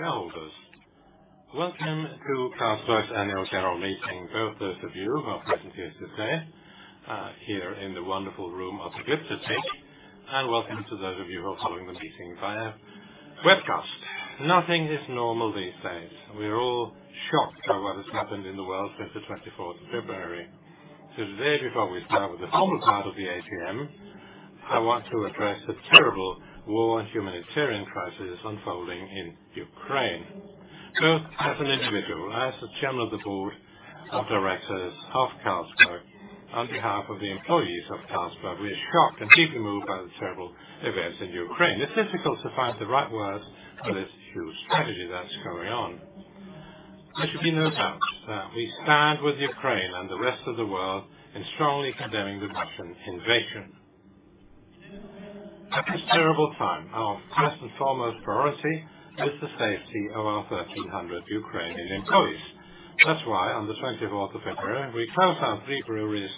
Shareholders, welcome to Carlsberg's Annual General Meeting. Both those of you who are present here today, here in the wonderful room of Glyptoteket. Welcome to those of you who are following the meeting via webcast. Nothing is normal these days. We are all shocked by what has happened in the world since February 24th. Today, before we start with the formal part of the AGM, I want to address the terrible war and humanitarian crisis unfolding in Ukraine. Both as an individual and as the Chairman of the Board of Directors of Carlsberg, on behalf of the employees of Carlsberg, we are shocked and deeply moved by the terrible events in Ukraine. It's difficult to find the right words for this huge tragedy that's going on. There should be no doubt that we stand with Ukraine and the rest of the world in strongly condemning the Russian invasion. At this terrible time, our first and foremost priority is the safety of our 1,300 Ukrainian employees. That's why on February 24th, we closed our three breweries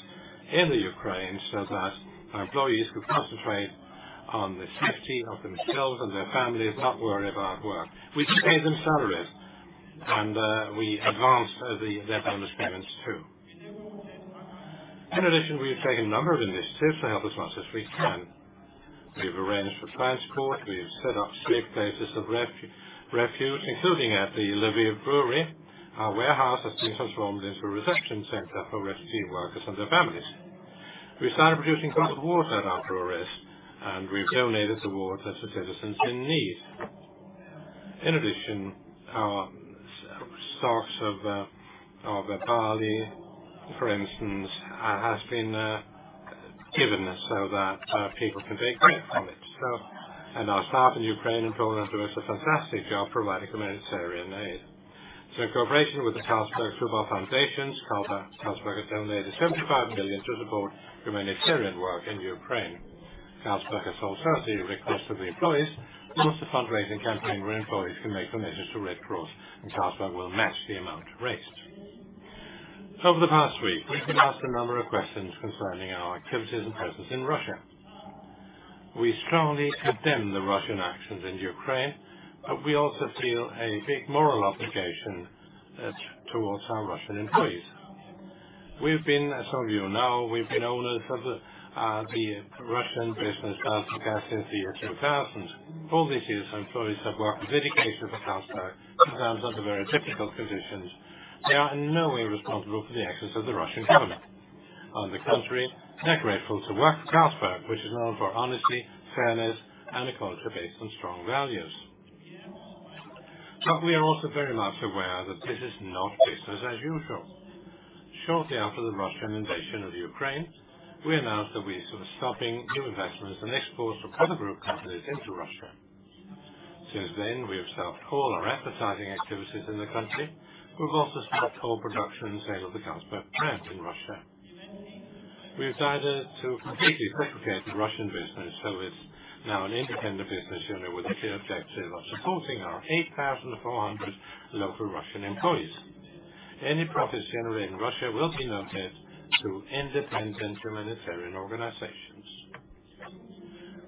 in Ukraine so that our employees could concentrate on the safety of themselves and their families, not worry about work. We pay them salaries, and we advanced their bonus payments too. In addition, we have taken a number of initiatives to help as much as we can. We have arranged for transport. We have set up three places of refuge, including at the Lviv Brewery. Our warehouse has been transformed into a reception center for refugee workers and their families. We started producing bottled water at our breweries, and we've donated the water to citizens in need. In addition, our stocks of barley, for instance, has been given so that people can bake bread from it. Our staff in Ukraine and Poland do such a fantastic job providing humanitarian aid. In cooperation with the Carlsberg Football Foundations, Carlsberg has donated 75 million to support humanitarian work in Ukraine. Carlsberg has also asked the Red Cross for the employees to host a fundraising campaign where employees can make donations to Red Cross, and Carlsberg will match the amount raised. Over the past week, we've been asked a number of questions concerning our activities and presence in Russia. We strongly condemn the Russian actions in Ukraine, but we also feel a big moral obligation towards our Russian employees. We've been, as some of you know, owners of the Russian business Carlsberg since the year 2000. All these years, our employees have worked dedicated to Carlsberg in terms of the very difficult positions. They are in no way responsible for the actions of the Russian government. On the contrary, they're grateful to work for Carlsberg, which is known for honesty, fairness, and a culture based on strong values. We are also very much aware that this is not business as usual. Shortly after the Russian invasion of Ukraine, we announced that we were stopping new investments and exports from other group companies into Russia. Since then, we have stopped all our advertising activities in the country. We've also stopped all production and sale of the Carlsberg brand in Russia. We've decided to completely separate the Russian business, so it's now an independent business unit with the objective of supporting our 8,400 local Russian employees. Any profits generated in Russia will be donated to independent humanitarian organizations.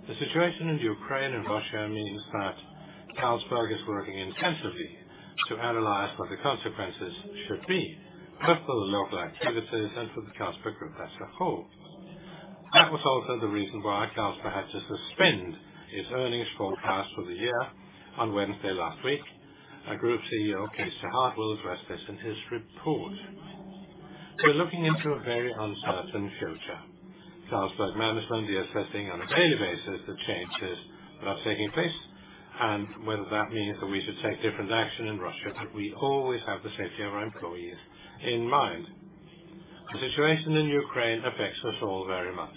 The situation in Ukraine and Russia means that Carlsberg is working intensively to analyze what the consequences should be, both for the local activities and for the Carlsberg Group as a whole. That was also the reason why Carlsberg had to suspend its earnings forecast for the year on Wednesday last week. Our Group CEO, Cees 't Hart, will address this in his report. We're looking into a very uncertain future. Carlsberg management will be assessing on a daily basis the changes that are taking place and whether that means that we should take different action in Russia, but we always have the safety of our employees in mind. The situation in Ukraine affects us all very much.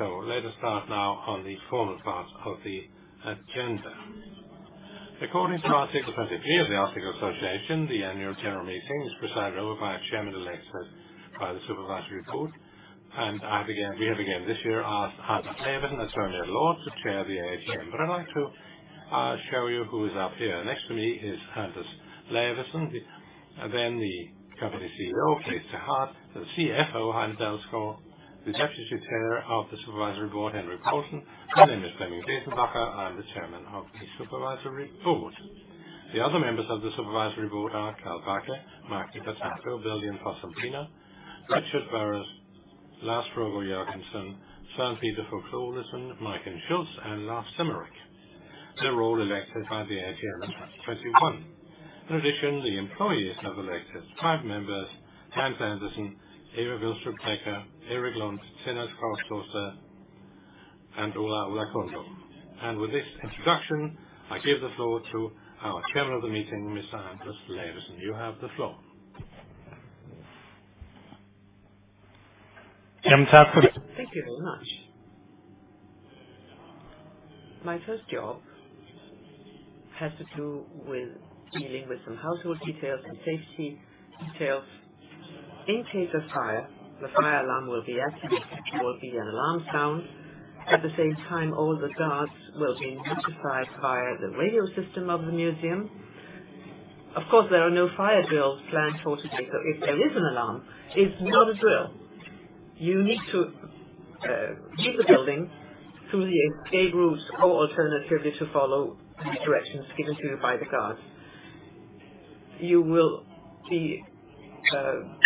Let us start now on the formal part of the agenda. According to Article 23 of the Articles of Association, the Annual General Meeting is presided over by a Chairman elected by the Supervisory Board. We have again this year asked Anders Lavesen, attorney-at-law, to chair the AGM. I'd like to show you who is up here. Next to me is Anders Lavesen. The company CEO, Cees 't Hart. The CFO, Heine Dalsgaard. The Deputy Chair of the Supervisory Board, Henrik Poulsen. My name is Flemming Besenbacher. I'm the Chairman of the Supervisory Board. The other members of the Supervisory Board are Carl Bache, Magdi Batato, Lilian Fossum Biner, Richard Burrows, Lars Rebien Sørensen, Søren-Peter Fuchs Olesen, Majken Schultz, and Lars Stemmerik. They're all elected by the AGM of 2021. In addition, the employees have elected five members, Hans Andersen, Eva Vilstrup Decker, Erik Lund, Tine Kastrup-Misir, and Olayide Oladokun. With this introduction, I give the floor to our Chair of the meeting, Mr. Anders Lavesen. You have the floor. Thank you very much. My first job has to do with dealing with some household details and safety details. In case of fire, the fire alarm will be activated. There will be an alarm sound. At the same time, all the guards will be notified via the radio system of the museum. Of course, there are no fire drills planned for today, so if there is an alarm, it's not a drill. You need to leave the building through the escape routes or alternatively, to follow the directions given to you by the guards. You will be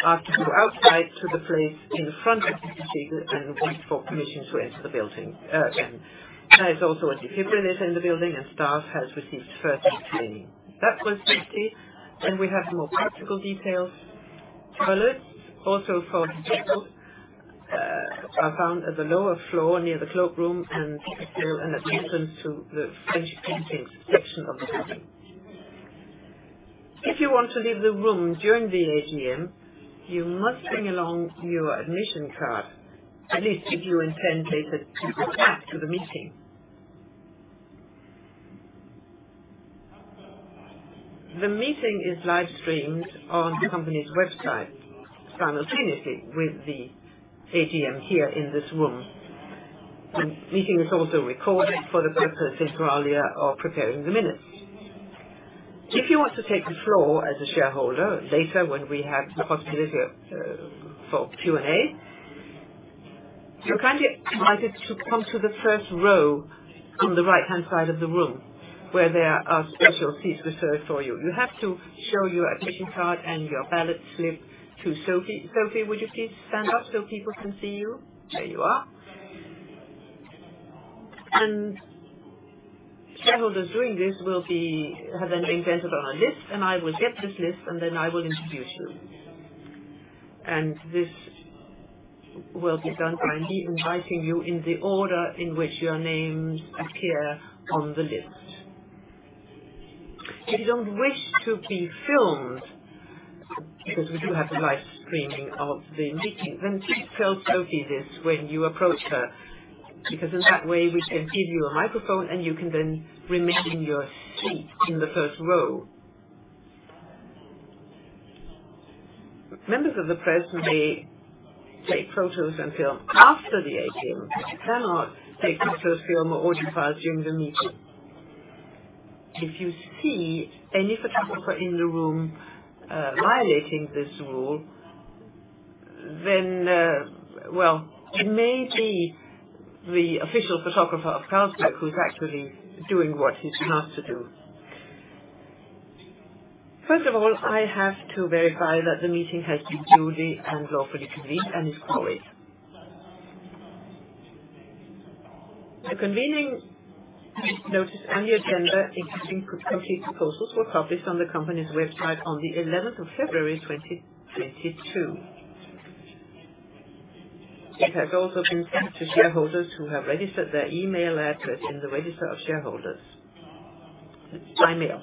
asked to go outside to the place in the front of the building and wait for permission to enter the building again. There is also a defibrillator in the building, and staff has received first aid training. That was safety. We have more practical details. Toilets, also for disabled, are found at the lower floor near the cloakroom and there's still an entrance to the French-speaking section of the building. If you want to leave the room during the AGM, you must bring along your admission card, at least if you intend later to return to the meeting. The meeting is live-streamed on the company's website simultaneously with the AGM here in this room. The meeting is also recorded for the purpose inter alia of preparing the minutes. If you want to take the floor as a shareholder later when we have the possibility for Q&A, you're kindly invited to come to the first row on the right-hand side of the room, where there are special seats reserved for you. You have to show your admission card and your ballot slip to Sophie. Sophie, would you please stand up so people can see you? There you are. Shareholders doing this have been entered on a list, and I will get this list, and then I will introduce you. This will be done by me inviting you in the order in which your names appear on the list. If you don't wish to be filmed, because we do have a live streaming of the meeting, then please tell Sophie this when you approach her. Because in that way, we can give you a microphone, and you can then remain in your seat in the first row. Members of the press may take photos and film after the AGM. They cannot take photos, film, or audio files during the meeting. If you see any photographer in the room, violating this rule, then, well, it may be the official photographer of Carlsberg who's actually doing what he's asked to do. First of all, I have to verify that the meeting has been duly and lawfully convened and quorate. The convening notice and the agenda, including complete proposals, were published on the company's website on February 11th, 2022. It has also been sent to shareholders who have registered their email address in the register of shareholders by mail.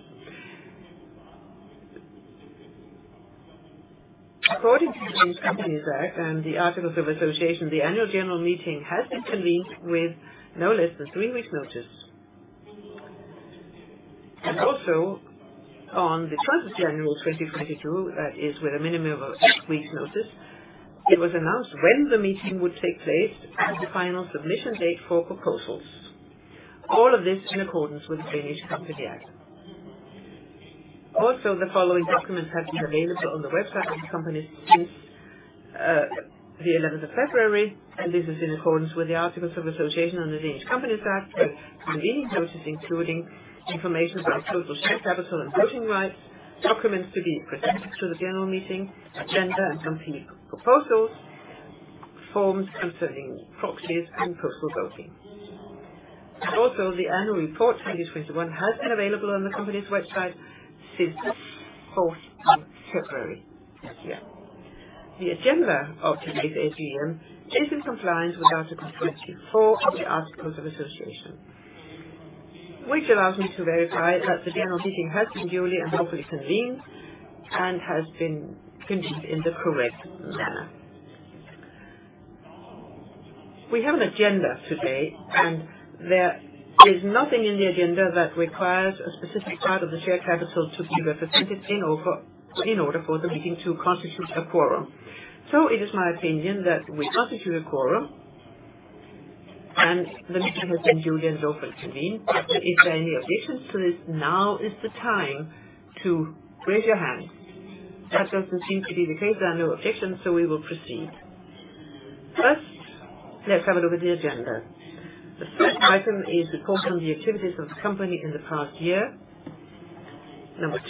According to the Danish Companies Act and the articles of association, the Annual General Meeting has been convened with no less than three weeks' notice. Also on January 12th, 2022, with a minimum of six weeks' notice, it was announced when the meeting would take place and the final submission date for proposals, all of this in accordance with the Danish Companies Act. The following documents have been available on the website of the company since February 11th, and this is in accordance with the articles of association and the Danish Companies Act, the convening notice including information about total share capital and voting rights, documents to be presented to the general meeting, agenda and company proposals, forms concerning proxies and postal voting. The annual report 2021 has been available on the company's website since February 14th of this year. The agenda of today's AGM is in compliance with Article 24 of the articles of association, which allows me to verify that the general meeting has been duly and lawfully convened and has been convened in the correct manner. We have an agenda today, and there is nothing in the agenda that requires a specific part of the share capital to be represented in order for the meeting to constitute a quorum. It is my opinion that we constitute a quorum, and the meeting has been duly and lawfully convened. If there are any objections to this, now is the time to raise your hand. That doesn't seem to be the case. There are no objections, we will proceed. First, let's have a look at the agenda. The first item is a report on the activities of the company in the past year.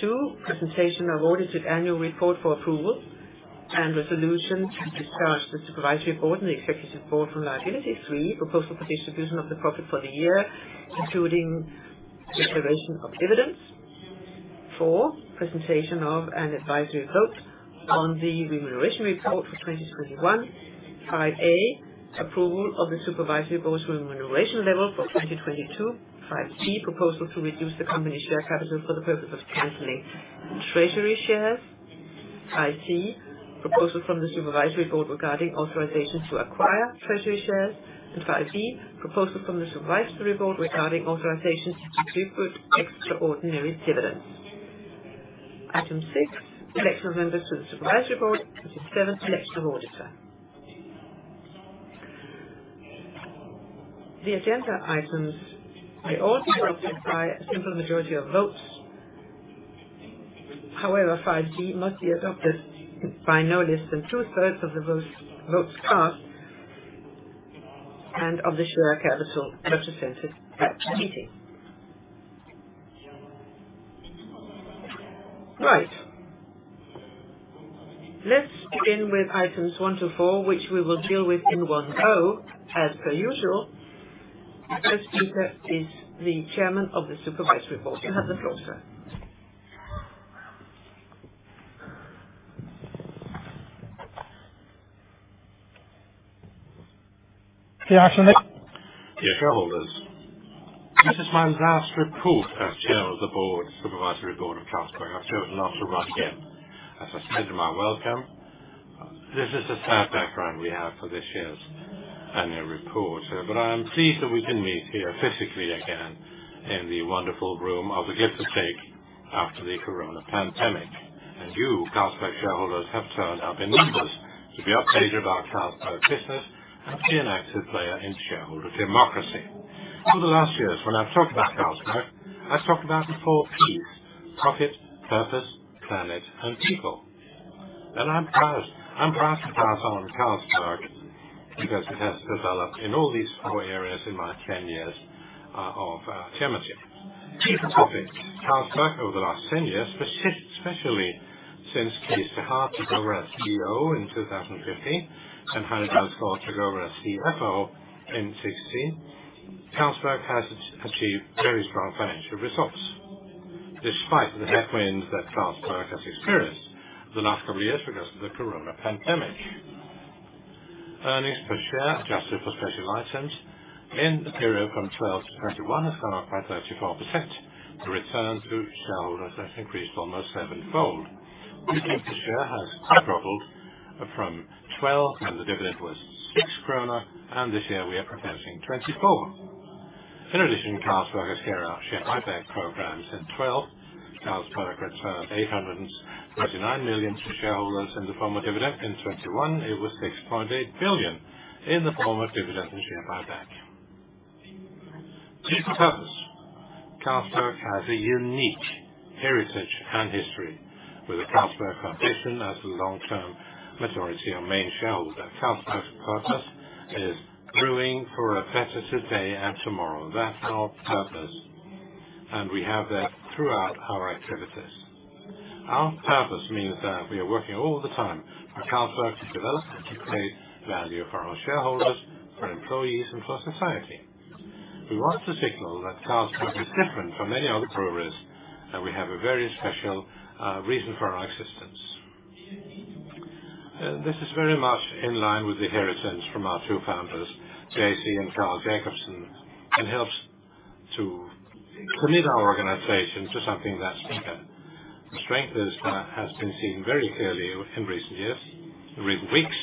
2, presentation of audited annual report for approval and resolution to discharge the Supervisory Board and the Executive Board from liability. 3, proposal for distribution of the profit for the year, including declaration of dividends. 4, presentation of an advisory vote on the Remuneration Report for 2021. 5A, approval of the Supervisory Board's remuneration level for 2022. 5B, proposal to reduce the company share capital for the purpose of canceling treasury shares. 5C, proposal from the Supervisory Board regarding authorization to acquire treasury shares. 5D, proposal from the Supervisory Board regarding authorization to distribute extraordinary dividends. 6, election of members to the Supervisory Board. 7, election of auditor. The agenda items may all be adopted by a simple majority of votes. However, 5C must be adopted by no less than 2/3 of the votes cast and of the shareholder capital represented at the meeting. Right. Let's begin with items 1-4, which we will deal with in one go as per usual. First speaker is the Chairman of the Supervisory Board. You have the floor, sir. Dear shareholders, this is my last report as Chair of the Supervisory Board of Carlsberg. I'm sure it's not the last yet. As I said in my welcome, this is a sad background we have for this year's annual report. I am pleased that we can meet here physically again in the wonderful room after the COVID-19 pandemic. You, Carlsberg shareholders, have turned up in numbers to be updated about Carlsberg business and be an active player in shareholder democracy. Over the last years, when I've talked about Carlsberg, I've talked about the 4 P's: Profit, Purpose, Planet, and People. I'm proud to pass on Carlsberg because it has developed in all these four areas in my 10 years of chairmanship. The profit of Carlsberg over the last 10 years, especially since Cees 't Hart took over as CEO in 2015 and Heine Dalsgaard took over as CFO in 2016, Carlsberg has achieved very strong financial results despite the headwinds that Carlsberg has experienced the last couple of years because of the COVID-19 pandemic. Earnings per share, adjusted for special items in the period from 2012-2021 has grown up by 34%. The return to shareholders has increased almost sevenfold. Earnings per share has quadrupled from 2012, and the dividend was 6 kroner, and this year we are proposing 24. In addition, Carlsberg has share buyback programs. In 2012, Carlsberg returned 839 million to shareholders in the form of dividend. In 2021, it was 6.8 billion in the form of dividend and share buyback. The purpose, Carlsberg has a unique heritage and history with the Carlsberg Foundation as a long-term majority and main shareholder. Carlsberg's purpose is brewing for a better today and tomorrow. That's our purpose, and we have that throughout our activities. Our purpose means that we are working all the time for Carlsberg to develop and create value for our shareholders, for employees, and for society. We want to signal that Carlsberg is different from any other brewers, and we have a very special reason for our existence. This is very much in line with the heritage from our two founders, J.C. and Carl Jacobsen, and helps to commit our organization to something that's bigger. The strength is, has been seen very clearly in recent years, in recent weeks,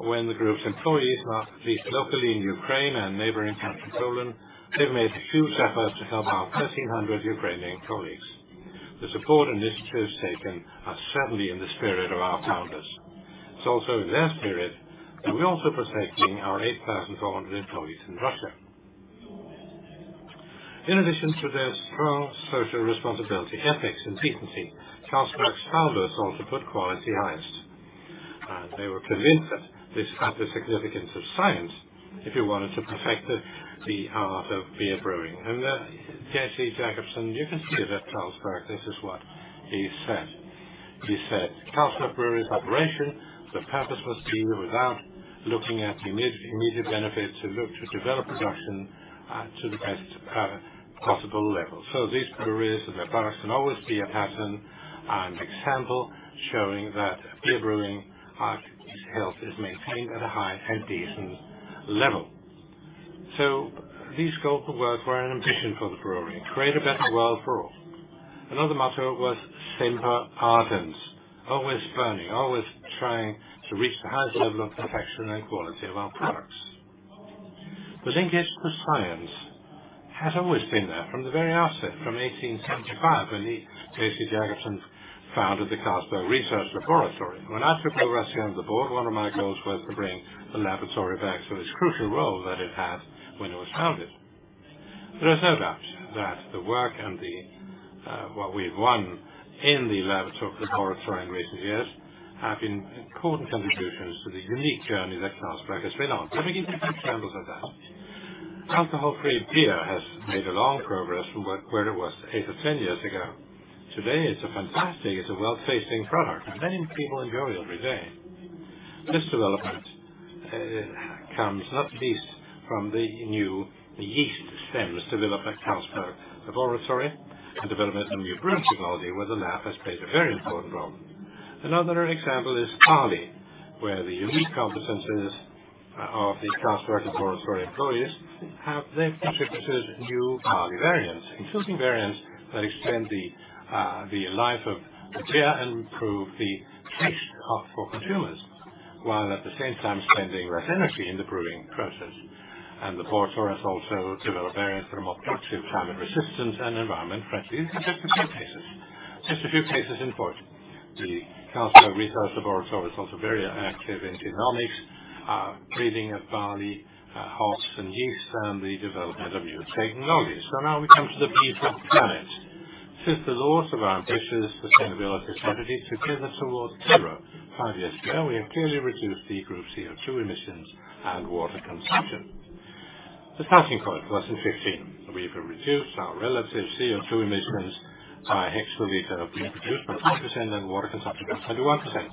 when the group's employees, at least locally in Ukraine and neighboring country, Poland, have made huge efforts to help our 1,300 Ukrainian colleagues. The support initiatives taken are certainly in the spirit of our founders. It's also their spirit that we're also protecting our 8,400 employees in Russia. In addition to their strong social responsibility, ethics, and decency, Carlsberg's founders also put quality highest. They were convinced that this had the significance of science if you wanted to perfect the art of beer brewing. J.C. Jacobsen, you can see that Carlsberg, this is what he said. He said, "Carlsberg Brewery's operation, the purpose was to, without looking at immediate benefits, to look to develop production, to the best, possible level. These breweries and their products can always be a pattern and example showing that beer brewing art is healthy, is maintained at a high and decent level." These goals were an ambition for the brewery: create a better world for all. Another motto was Semper Ardens, always burning, always trying to reach the highest level of perfection and quality of our products. Engaging science has always been there from the very outset, from 1875, when J.C. Jacobsen founded the Carlsberg Research Laboratory. When I took the presidency of the Board, one of my goals was to bring the laboratory back to its crucial role that it had when it was founded. There is no doubt that the work and the, what we've done in the laboratory in recent years have been important contributions to the unique journey that Carlsberg has been on. Let me give you some examples of that. Alcohol-free beer has made a long progress from where it was 8-10 years ago. Today, it's a fantastic well-received product many people enjoy every day. This development comes not least from the new yeast strains developed at Carlsberg Laboratory and development of new brewing technology, where the lab has played a very important role. Another example is barley, where the elite competencies of the Carlsberg Laboratory employees have then contributed new barley variants, including variants that extend the life of the beer and improve the taste for consumers, while at the same time spending less energy in the brewing process. The laboratory has also developed variants that are more productive, climate resistant, and environmentally friendly. These are just some cases. Just a few cases in point. The Carlsberg Research Laboratory is also very active in genomics, breeding of barley, hops, and yeast, and the development of new technologies. Now we come to the P for Planet. Since the launch of our ambitious sustainability strategy to get us towards zero five years ago, we have clearly reduced the group's CO2 emissions and water consumption. The starting point was in 2015. We've reduced our relative CO2 emissions per hectoliter of beer produced by 30% and water consumption by 21%.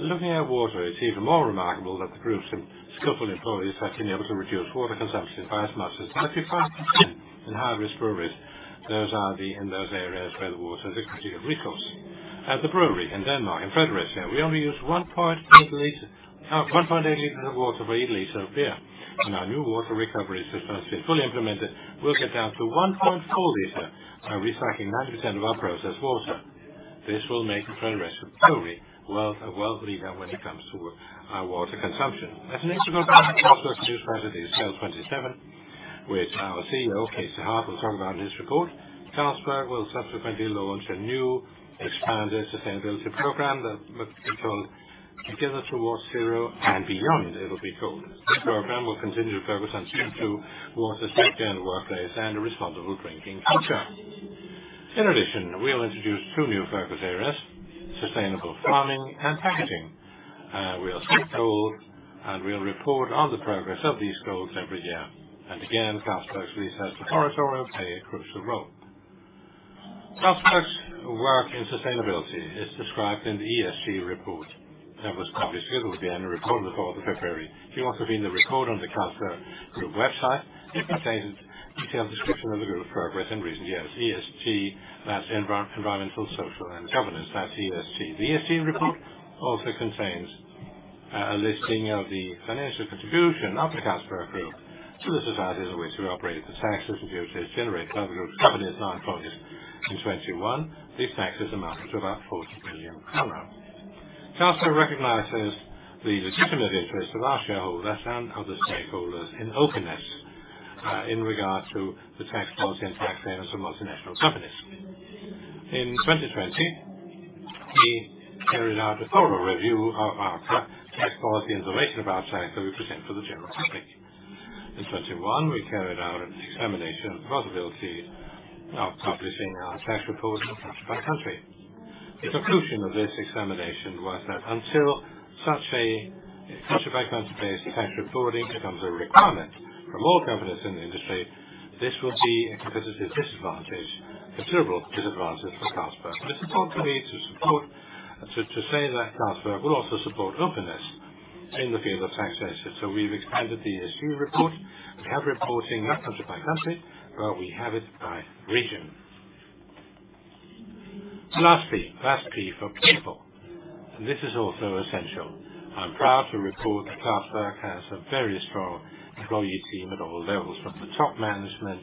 Looking at water, it's even more remarkable that the group's skillful employees have been able to reduce water consumption by as much as 35% in high-risk breweries. In those areas where the water is a key resource. At the brewery in Denmark, in Fredericia, we only use 1.8 liters of water for each liter of beer. When our new water recovery system is fully implemented, we'll get down to 1.4 liters by recycling 90% of our processed water. This will make Fredericia Brewery a world leader when it comes to water consumption. As an integral part of Carlsberg's new strategy, SAIL'27, which our CEO, Cees 't Hart, will talk about in his report. Carlsberg will subsequently launch a new expanded sustainability program that will be called Together Towards ZERO and Beyond, it'll be called. This program will continue to focus on CO2, water safety in the workplace, and a responsible drinking culture. In addition, we'll introduce two new focus areas: sustainable farming and packaging. We'll set goals, and we'll report on the progress of these goals every year. Again, Carlsberg's Research Laboratory will play a crucial role. Carlsberg's work in sustainability is described in the ESG report that was published. It was published on February 4th. It can also be found on the Carlsberg Group website. It contains a detailed description of the group's progress in recent years. ESG, that's Environmental, Social, and Governance. That's ESG. The ESG report also contains a listing of the financial contribution of the Carlsberg Group to the societies in which we operate, the taxes and duties generated by the group's companies and our employees. In 2021, these taxes amounted to about DKK 40 billion. Carlsberg recognizes the legitimate interest of our shareholders and other stakeholders in openness in regard to the tax policy and tax payments of multinational companies. In 2020, we carried out a thorough review of our tax policy in relation to our tax that we present for the general public. In 2021, we carried out an examination of the possibility of publishing our tax report country-by-country. The conclusion of this examination was that until such a country-by-country basis tax reporting becomes a requirement from all companies in the industry, this would be a competitive disadvantage, a considerable disadvantage for Carlsberg. It's important for me to say that Carlsberg will also support openness in the field of taxation. We've expanded the ESG report. We have reporting, not country by country, but we have it by region. Lastly, last P for People. This is also essential. I'm proud to report that Carlsberg has a very strong employee team at all levels from the top management,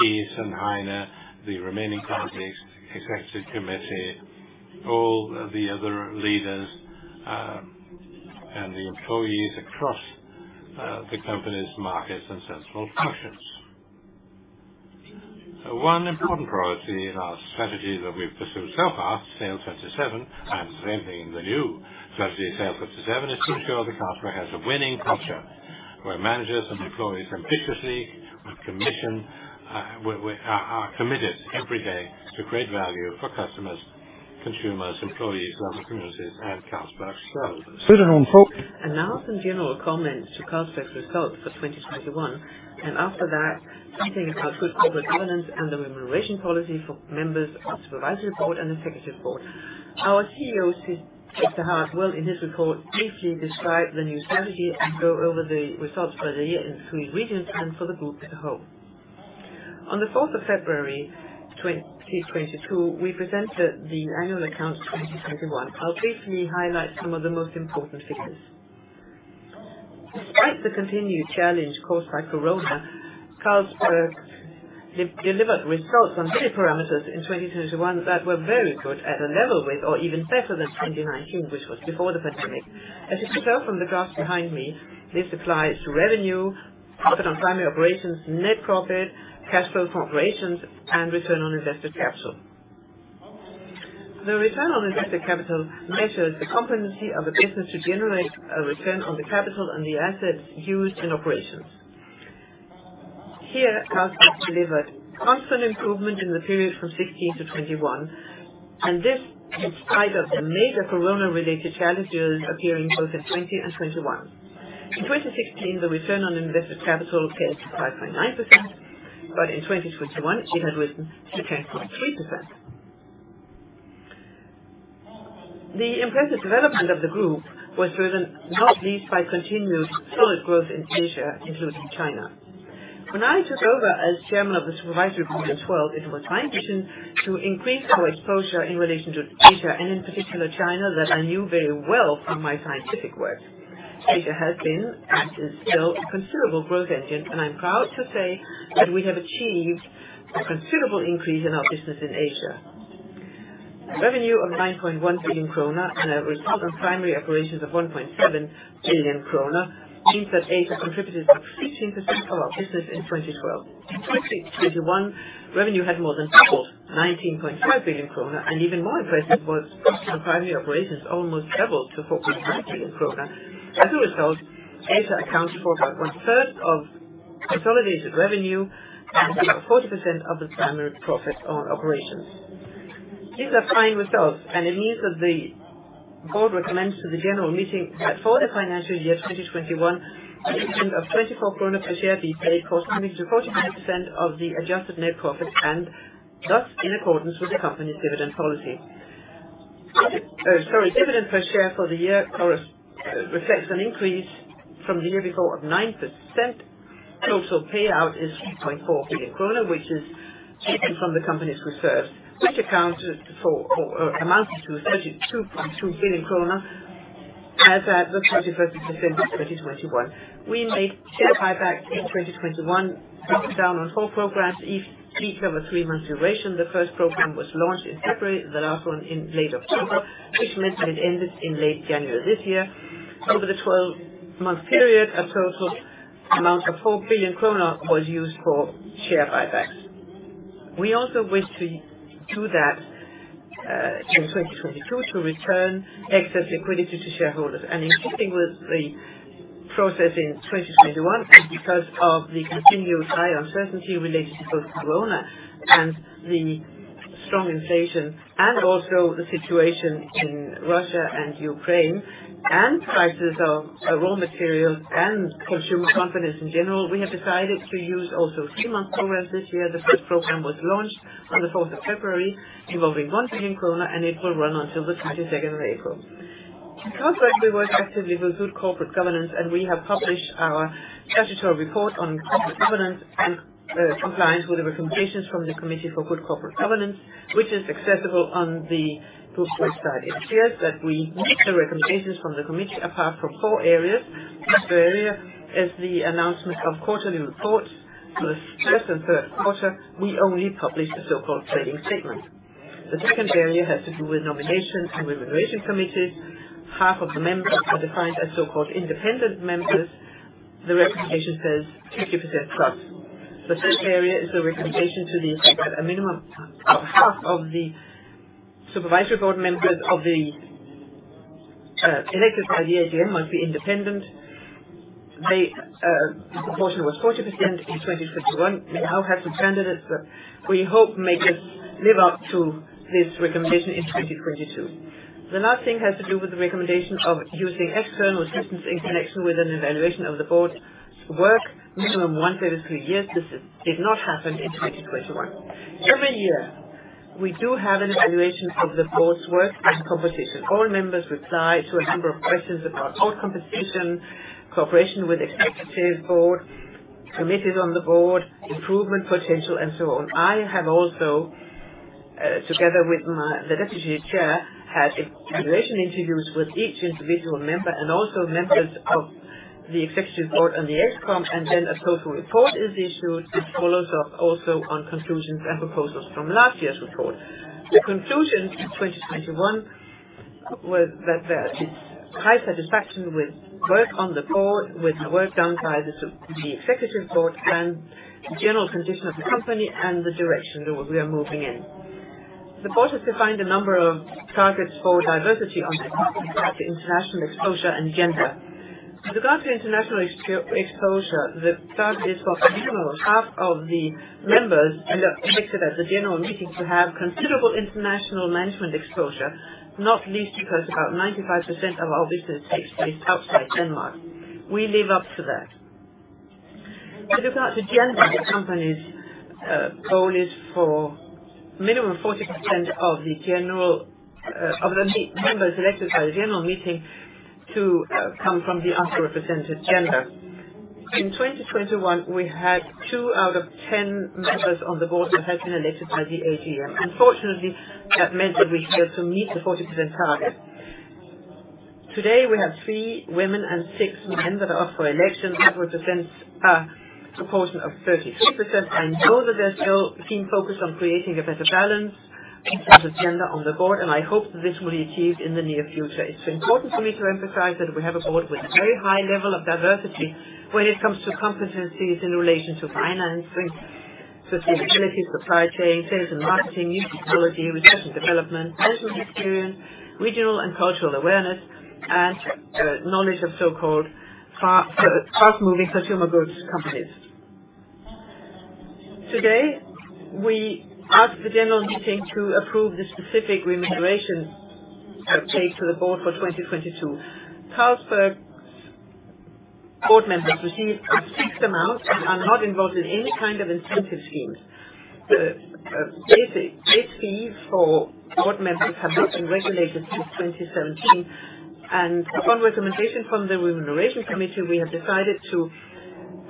Cees and Heine, the remaining colleagues, Executive Committee, all the other leaders, and the employees across the company's markets and central functions. One important priority in our strategy that we've pursued so far, SAIL'27, and the same thing in the new strategy, SAIL'27, is to ensure that Carlsberg has a winning culture where managers and employees ambitiously with commitment are committed every day to create value for customers, consumers, employees, local communities, and Carlsberg shareholders. Announce some general comments to Carlsberg’s results for 2021, and after that, something about good corporate governance and the remuneration policy for members of Supervisory Board and Executive Board. Our CEO, Cees 't Hart, will in his report briefly describe the new strategy and go over the results for the year in three regions and for the group as a whole. On February 4th, 2022, we presented the annual accounts 2021. I'll briefly highlight some of the most important figures. Despite the continued challenge caused by COVID-19, Carlsberg delivered results on key parameters in 2021 that were very good at a level with or even better than 2019, which was before the pandemic. As you can tell from the graphs behind me, this applies to revenue, profit on primary operations, net profit, cash flow from operations, and return on invested capital. The return on invested capital measures the competency of a business to generate a return on the capital and the assets used in operations. Here, Carlsberg delivered constant improvement in the period from 2016-2021, and this in spite of the major COVID-19-related challenges appearing both in 2020 and 2021. In 2016, the return on invested capital was 5.9%, but in 2021, it had risen to 10.3%. The impressive development of the group was driven not least by continued solid growth in Asia, including China. When I took over as Chairman of the Supervisory Board in 2012, it was my ambition to increase our exposure in relation to Asia and in particular China that I knew very well from my scientific work. Asia has been and is still a considerable growth engine, and I'm proud to say that we have achieved a considerable increase in our business in Asia. Revenue of 9.1 billion kroner and a result of primary operations of 1.7 billion kroner means that Asia contributed to 16% of our business in 2012. In 2021, revenue had more than doubled, 19.5 billion kroner, and even more impressive was the primary operations almost doubled to 45 billion kroner. As a result, Asia accounts for about 1/3 of consolidated revenue and about 40% of the primary profit on operations. These are fine results, and it means that the Board recommends to the general meeting that for the financial year 2021, a dividend of 24 kroner per share be paid corresponding to 45% of the adjusted net profit, and thus in accordance with the company's dividend policy. Dividend per share for the year reflects an increase from the year before of 9%. Total payout is 2.4 billion kroner, which is taken from the company's reserves, which amounted to 32.2 billion kroner as at December 31st, 2021. We made share buyback in 2021, broken down on four programs, each of a 3-month duration. The first program was launched in February, the last one in late October, which meant that it ended in late January this year. Over the 12-month period, a total amount of 4 billion kroner was used for share buybacks. We also wish to do that in 2022 to return excess liquidity to shareholders. Interesting with the process in 2021, because of the continued high uncertainty related to both COVID-19 and the strong inflation, and also the situation in Russia and Ukraine, and prices of raw materials and consumer confidence in general, we have decided to use also three-month programs this year. The first program was launched on the February 4th, involving 1 billion, and it will run until April 22nd. Carlsberg will work actively with good corporate governance, and we have published our statutory report on corporate governance and compliance with the recommendations from the Committee on Corporate Governance, which is accessible on the group website. It appears that we meet the recommendations from the committee, apart from four areas. First area is the announcement of quarterly reports. For the second and third quarter, we only published a so-called trading statement. The second area has to do with nominations and remuneration committees. Half of the members are defined as so-called independent members. The recommendation says 50%+. The third area is a recommendation to the effect that a minimum of half of the Supervisory Board members of the elected by the AGM must be independent. They, the proportion was 40% in 2021. We now have some candidates that we hope may just live up to this recommendation in 2022. The last thing has to do with the recommendation of using external assistance in connection with an evaluation of the Board's work minimum once every three years. This did not happen in 2021. Every year we do have an evaluation of the Board's work and composition. All members reply to a number of questions about own composition, cooperation with Executive Board, committees on the Board, improvement potential, and so on. I have also together with the Deputy Chair had evaluation interviews with each individual member and also members of the Executive Board and the Ex Comm, and then a social report is issued, which follows up also on conclusions and proposals from last year's report. The conclusion in 2021 was that there is high satisfaction with work on the Board, with the work done by the Executive Board, and the general condition of the company and the direction that we are moving in. The Board has defined a number of targets for diversity on the company, like international exposure and gender. With regard to international exposure, the target is for a minimum of half of the members elected at the general meeting to have considerable international management exposure, not least because about 95% of our business takes place outside Denmark. We live up to that. With regard to gender, the company's goal is for minimum 40% of the members elected by the general meeting to come from the underrepresented gender. In 2021, we had 2 out of 10 members on the Board who had been elected by the AGM. Unfortunately, that meant that we failed to meet the 40% target. Today, we have 3 women and 6 men that are up for election, that represents a proportion of 33%. I know that there's still keen focus on creating a better balance of the gender on the Board, and I hope that this will be achieved in the near future. It's important for me to emphasize that we have a Board with very high level of diversity when it comes to competencies in relation to financing, sustainability, supply chain, sales and marketing, new technology, research and development, digital experience, regional and cultural awareness, and knowledge of so-called fast-moving consumer goods companies. Today, we ask the general meeting to approve the specific remuneration paid to the Board for 2022. Carlsberg's Board members receive a fixed amount and are not involved in any kind of incentive schemes. The basic fee for Board members has not been regulated since 2017, and upon recommendation from the Remuneration Committee, we have decided to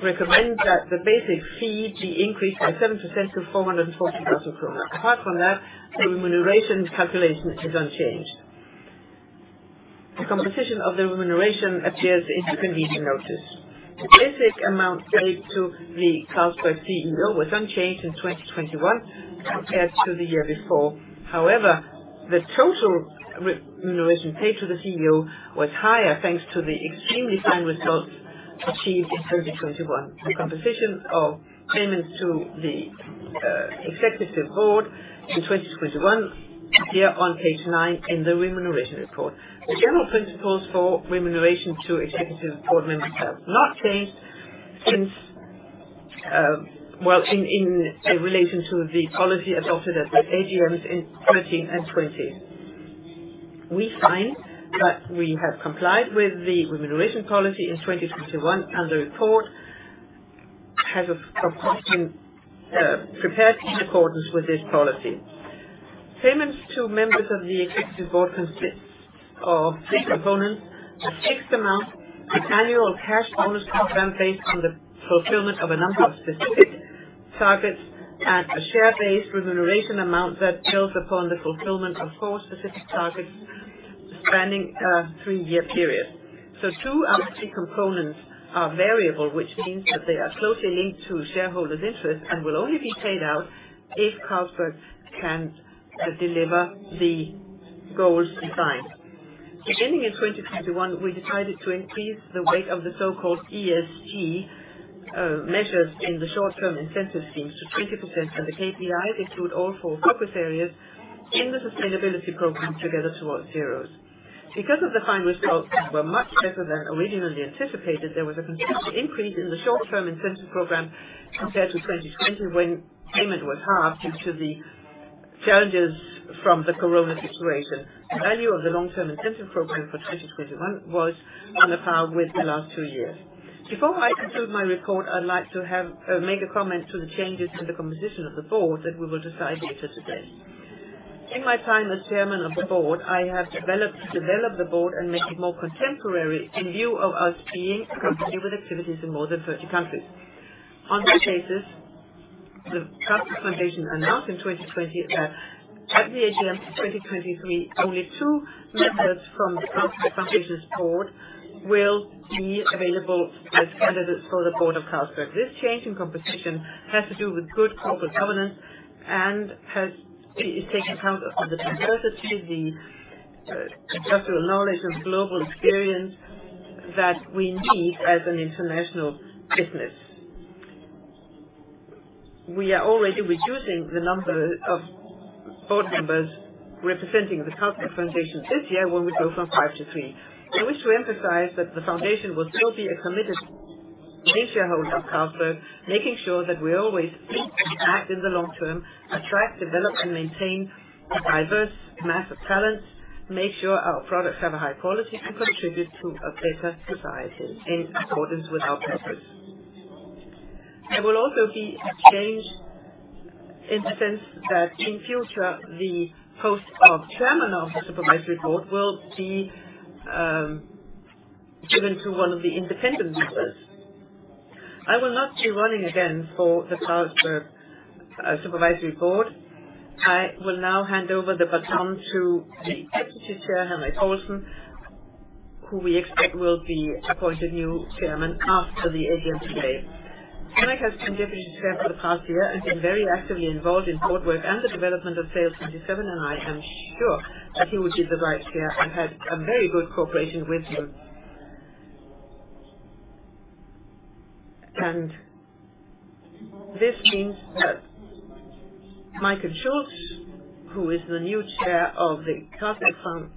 recommend that the basic fee be increased by 7% to 440,000 kroner. Apart from that, the remuneration calculation is unchanged. The composition of the remuneration appears in the convening notice. The basic amount paid to the Carlsberg CEO was unchanged in 2021 compared to the year before. However, the total remuneration paid to the CEO was higher, thanks to the extremely fine results achieved in 2021. The composition of payments to the Executive Board in 2021 appears on page 9 in the remuneration report. The general principles for remuneration to Executive Board members have not changed since in relation to the policy adopted at the AGMs in 2013 and 2020. We find that we have complied with the remuneration policy in 2021, and the report has, of course, been prepared in accordance with this policy. Payments to members of the Executive Board consists of six components. A fixed amount, an annual cash bonus program based on the fulfillment of a number of specific targets, and a share-based remuneration amount that builds upon the fulfillment of four specific targets spanning a three-year period. Two out of three components are variable, which means that they are closely linked to shareholders' interests and will only be paid out if Carlsberg can deliver the goals defined. Beginning in 2021, we decided to increase the weight of the so-called ESG measures in the short-term incentive scheme to 20%, and the KPIs include all four focus areas in the sustainability program Together Towards ZERO. Because of the fine results were much better than originally anticipated, there was a substantial increase in the short-term incentive program compared to 2020, when payment was halved due to the challenges from the COVID-19 situation. The value of the long-term incentive program for 2021 was on a par with the last two years. Before I conclude my report, I'd like to make a comment to the changes in the composition of the Board that we will decide later today. In my time as Chairman of the Board, I have developed the Board and make it more contemporary in view of us being a company with activities in more than 30 countries. On that basis, the Carlsberg Foundation announced in 2020 at the AGM 2023, only two members from the Carlsberg Foundation's Board will be available as candidates for the Board of Carlsberg. This change in composition has to do with good corporate governance and is taking account of the diversity, the industrial knowledge and global experience that we need as an international business. We are already reducing the number of Board members representing the Carlsberg Foundation this year when we go from 5-3. I wish to emphasize that the foundation will still be a committed major shareholder of Carlsberg, making sure that we always think and act in the long term, attract, develop, and maintain a diverse map of talents, make sure our products have a high quality, and contribute to a better society in accordance with our purpose. There will also be a change in the sense that in future, the post of Chairman of the Supervisory Board will be given to one of the independent members. I will not be running again for the Carlsberg Supervisory Board. I will now hand over the baton to the deputy chair, Henrik Poulsen, who we expect will be appointed new chairman after the AGM today. Henrik has been deputy chair for the past year and been very actively involved in Board work and the development of SAIL'27, and I am sure that he will be the right chair. I've had a very good cooperation with him. This means that Majken Schultz, who is the new chair of the Carlsberg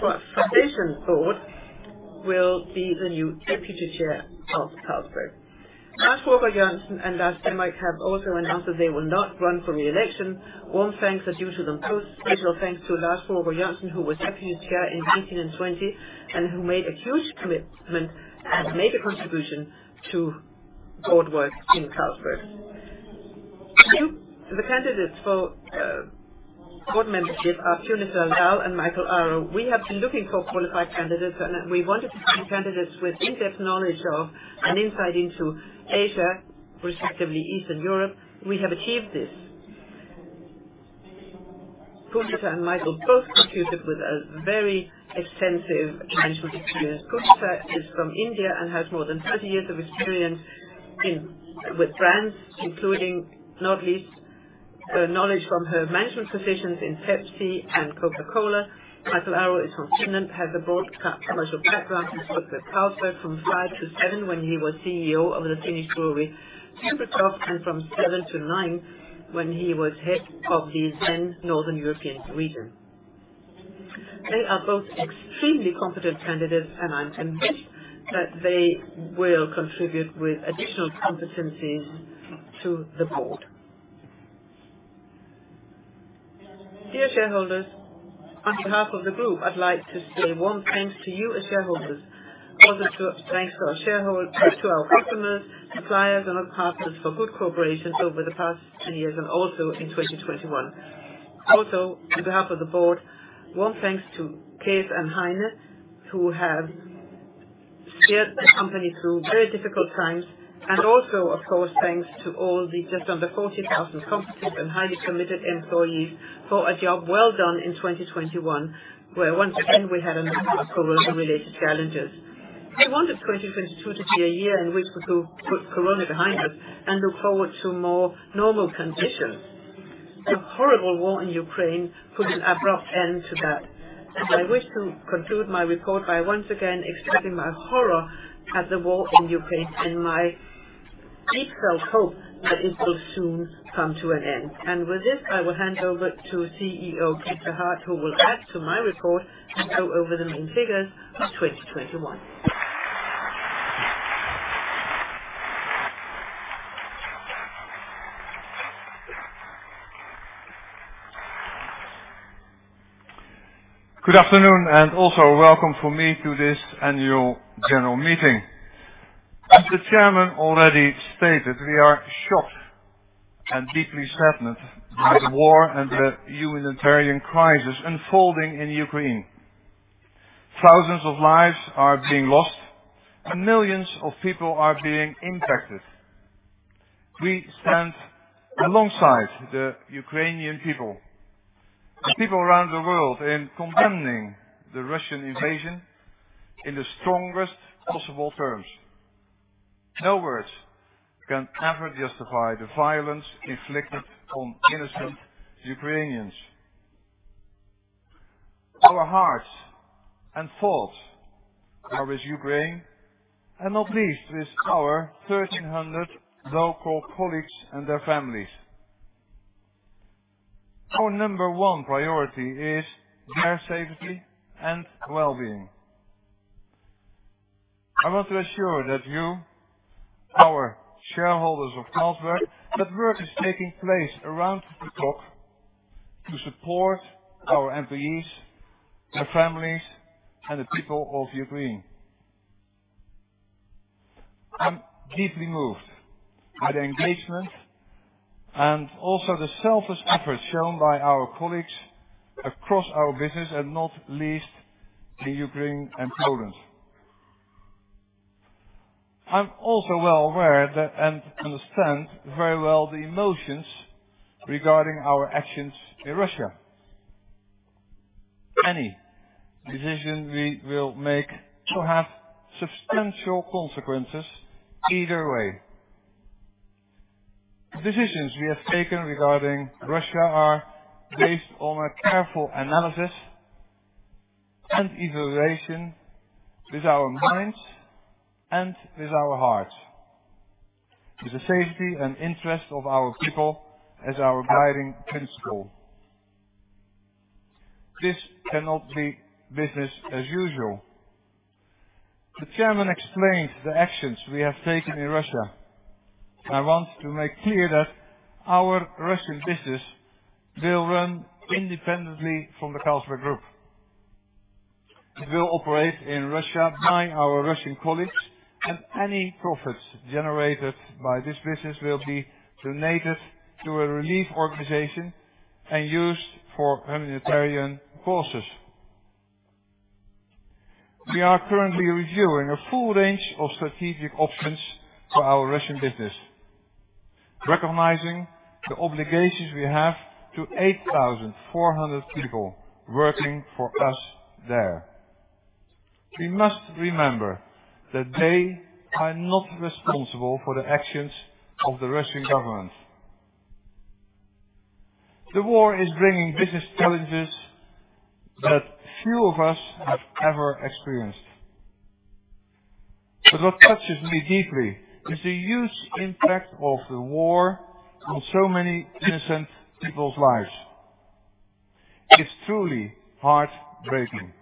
Foundation Board, will be the new deputy chair of Carlsberg. Lars Rebien Sørensen and Lars Stemmerik have also announced that they will not run for re-election. Warm thanks are due to them, especially special thanks to Lars Rebien Sørensen, who was deputy chair in 2018 and 2020 and who made a huge commitment and made a contribution to Board work in Carlsberg. The candidates for Board membership are Punita Lal and Mikael Aro. We have been looking for qualified candidates, and we wanted to find candidates with in-depth knowledge and insight into Asia, respectively Eastern Europe. We have achieved this. Punita and Mikael both contributed with a very extensive management experience. Punita is from India and has more than 30 years of experience in with brands, including, not least, her knowledge from her management positions in Pepsi and Coca-Cola. Mikael Aro is from Finland, has a broad commercial background. He's worked at Carlsberg from 5-7 when he was CEO of the Finnish brewery Hartwall and from 7-9 when he was head of the then Northern European region. They are both extremely competent candidates, and I'm convinced that they will contribute with additional competencies to the Board. Dear shareholders, on behalf of the group, I'd like to say warm thanks to you as shareholders. Also to our customers, suppliers, and our partners for good cooperation over the past 10 years and also in 2021. Also, on behalf of the Board, warm thanks to Cees and Heine, who have steered the company through very difficult times. Also, of course, thanks to all the just under 40,000 competent and highly committed employees for a job well done in 2021, where once again, we had a number of COVID-related challenges. We wanted 2022 to be a year in which we could put COVID-19 behind us and look forward to more normal conditions. The horrible war in Ukraine put an abrupt end to that. I wish to conclude my report by once again expressing my horror at the war in Ukraine and my deep-felt hope that it will soon come to an end. With this, I will hand over to CEO Cees 't Hart, who will add to my report and go over the main figures for 2021. Good afternoon, and also welcome from me to this Annual General Meeting. As the chairman already stated, we are shocked and deeply saddened by the war and the humanitarian crisis unfolding in Ukraine. Thousands of lives are being lost, and millions of people are being impacted. We stand alongside the Ukrainian people and people around the world in condemning the Russian invasion in the strongest possible terms. No words can ever justify the violence inflicted on innocent Ukrainians. Our hearts and thoughts are with Ukraine, and not least with our 1,300 local colleagues and their families. Our number one priority is their safety and well-being. I want to assure that you, our shareholders of Carlsberg, that work is taking place around the clock to support our employees, their families, and the people of Ukraine. I'm deeply moved by the engagement and also the selfless effort shown by our colleagues across our business, and not least in Ukraine and Poland. I'm also well aware, and understand very well the emotions regarding our actions in Russia. Any decision we will make will have substantial consequences either way. Decisions we have taken regarding Russia are based on a careful analysis and evaluation with our minds and with our hearts, with the safety and interest of our people as our guiding principle. This cannot be business as usual. The chairman explained the actions we have taken in Russia. I want to make clear that our Russian business will run independently from the Carlsberg Group. It will operate in Russia by our Russian colleagues, and any profits generated by this business will be donated to a relief organization and used for humanitarian causes. We are currently reviewing a full range of strategic options for our Russian business, recognizing the obligations we have to 8,400 people working for us there. We must remember that they are not responsible for the actions of the Russian government. The war is bringing business challenges that few of us have ever experienced. What touches me deeply is the huge impact of the war on so many innocent people's lives. It's truly heartbreaking.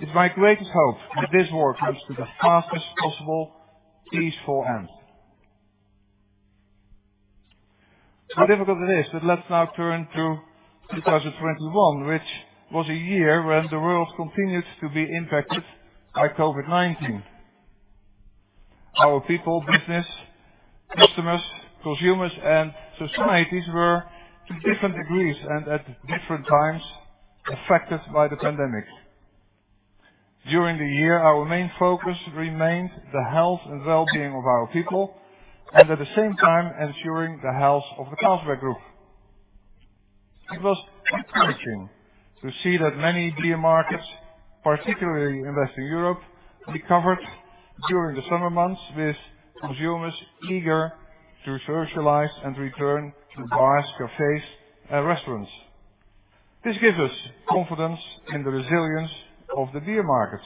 It's my greatest hope that this war comes to the fastest possible peaceful end. How difficult it is, but let's now turn to 2021, which was a year when the world continued to be impacted by COVID-19. Our people, business, customers, consumers, and societies were, to different degrees and at different times, affected by the pandemic. During the year, our main focus remained the health and well-being of our people and at the same time ensuring the health of the Carlsberg Group. It was encouraging to see that many beer markets, particularly in Western Europe, recovered during the summer months, with consumers eager to socialize and return to bars, cafes, and restaurants. This gives us confidence in the resilience of the beer markets.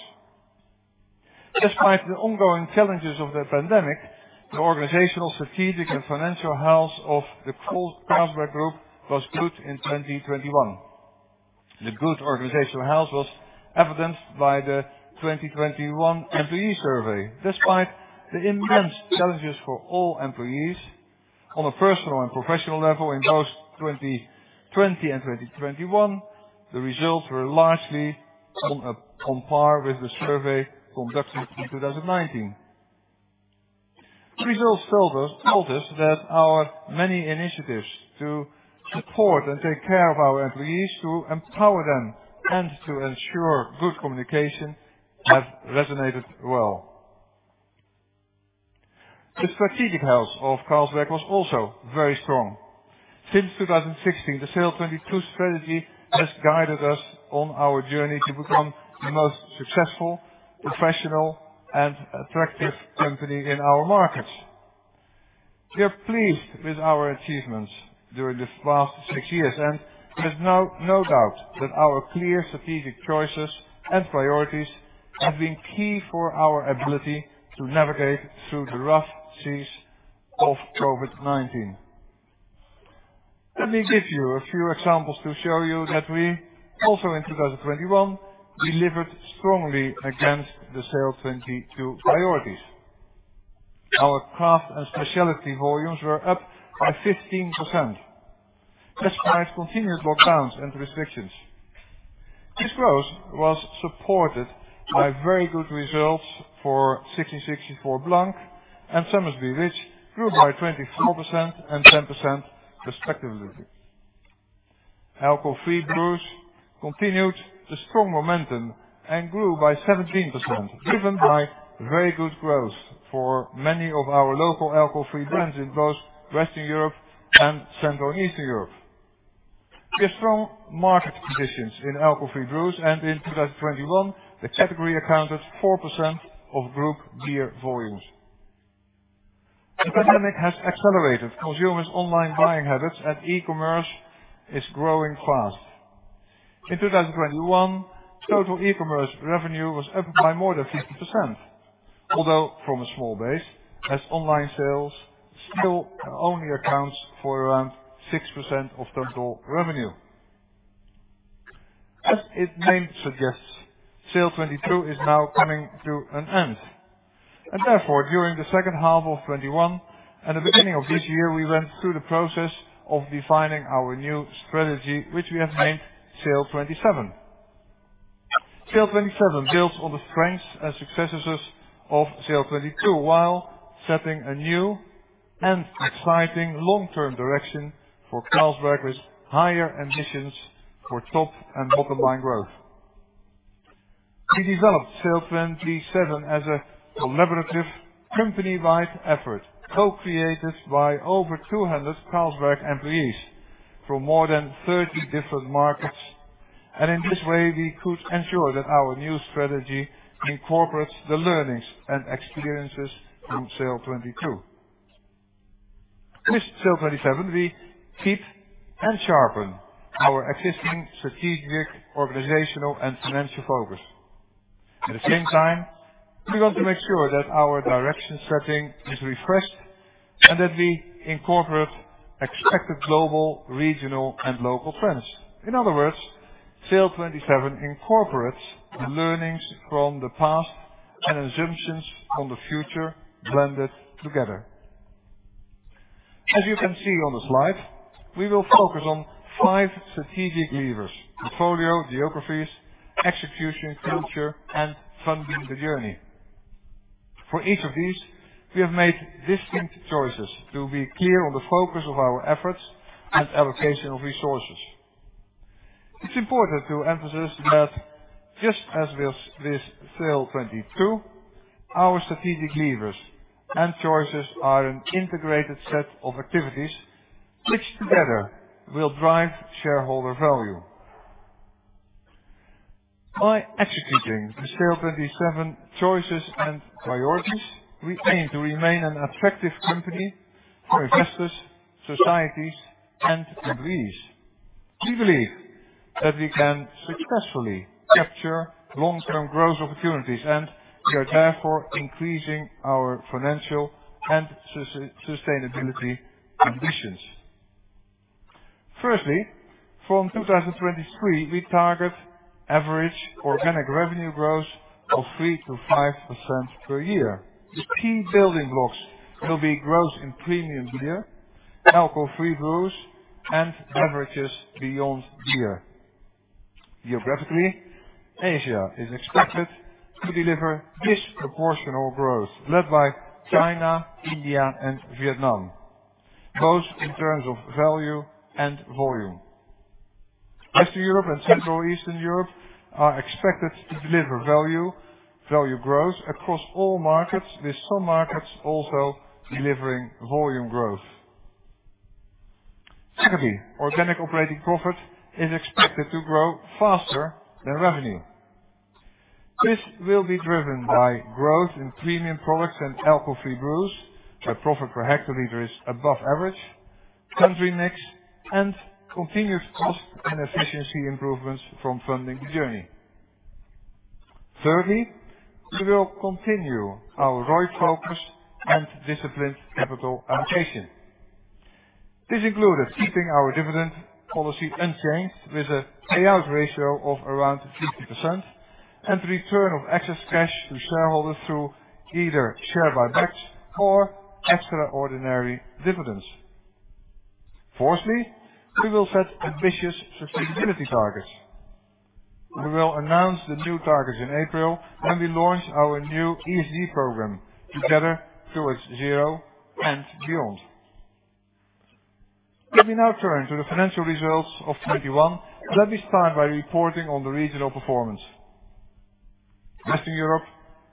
Despite the ongoing challenges of the pandemic, the organizational, strategic, and financial health of the full Carlsberg Group was good in 2021. The good organizational health was evidenced by the 2021 employee survey. Despite the immense challenges for all employees on a personal and professional level in both 2020 and 2021, the results were largely on par with the survey conducted in 2019. Results told us that our many initiatives to support and take care of our employees, to empower them and to ensure good communication have resonated well. The strategic health of Carlsberg was also very strong. Since 2016, the SAIL'22 strategy has guided us on our journey to become the most successful, professional, and attractive company in our markets. We are pleased with our achievements during the past six years, and there's now no doubt that our clear strategic choices and priorities have been key for our ability to navigate through the rough seas of COVID-19. Let me give you a few examples to show you that we also in 2021 delivered strongly against the SAIL'22 priorities. Our craft and specialty volumes were up by 15%, despite continued lockdowns and restrictions. This growth was supported by very good results for 1664 Blanc and Somersby, which grew by 24% and 10% respectively. Alcohol-free brews continued the strong momentum and grew by 17%, driven by very good growth for many of our local alcohol-free brands in both Western Europe and Central and Eastern Europe. We have strong market conditions in alcohol-free brews, and in 2021, the category accounted 4% of group beer volumes. The pandemic has accelerated consumers' online buying habits, and e-commerce is growing fast. In 2021, total e-commerce revenue was up by more than 50%, although from a small base, as online sales still only accounts for around 6% of total revenue. As its name suggests, SAIL'22 is now coming to an end. Therefore, during the second half of 2021 and the beginning of this year, we went through the process of defining our new strategy, which we have named SAIL'27. SAIL'27 builds on the strengths and successes of SAIL'22 while setting a new and exciting long-term direction for Carlsberg with higher ambitions for top and bottom line growth. We developed SAIL'27 as a collaborative company-wide effort, co-created by over 200 Carlsberg employees from more than 30 different markets. In this way, we could ensure that our new strategy incorporates the learnings and experiences from SAIL'22. With SAIL'27, we keep and sharpen our existing strategic, organizational, and financial focus. At the same time, we want to make sure that our direction setting is refreshed and that we incorporate expected global, regional, and local trends. In other words, SAIL'27 incorporates learnings from the past and assumptions from the future blended together. As you can see on the slide, we will focus on five strategic levers, portfolio, geographies, execution, culture, and funding the journey. For each of these, we have made distinct choices to be clear on the focus of our efforts and allocation of resources. It's important to emphasize that just as with SAIL'22, our strategic levers and choices are an integrated set of activities which together will drive shareholder value. By executing the SAIL'27 choices and priorities, we aim to remain an attractive company for investors, societies, and employees. We believe that we can successfully capture long-term growth opportunities, and we are therefore increasing our financial and sustainability ambitions. Firstly, from 2023 we target average organic revenue growth of 3%-5% per year. The key building blocks will be growth in premium beer, alcohol-free brews, and beverages beyond beer. Geographically, Asia is expected to deliver disproportionate growth led by China, India, and Vietnam, both in terms of value and volume. Western Europe and Central Eastern Europe are expected to deliver value growth across all markets, with some markets also delivering volume growth. Secondly, organic operating profit is expected to grow faster than revenue. This will be driven by growth in premium products and alcohol-free brews, where profit per hectoliter is above average, country mix, and continuous cost and efficiency improvements from funding the journey. Thirdly, we will continue our ROI focus and disciplined capital allocation. This includes keeping our dividend policy unchanged with a payout ratio of around 50% and return of excess cash to shareholders through either share buybacks or extraordinary dividends. Fourthly, we will set ambitious sustainability targets. We will announce the new targets in April when we launch our new ESG program, Together Towards ZERO and Beyond. Let me now turn to the financial results of 2021. Let me start by reporting on the regional performance. Western Europe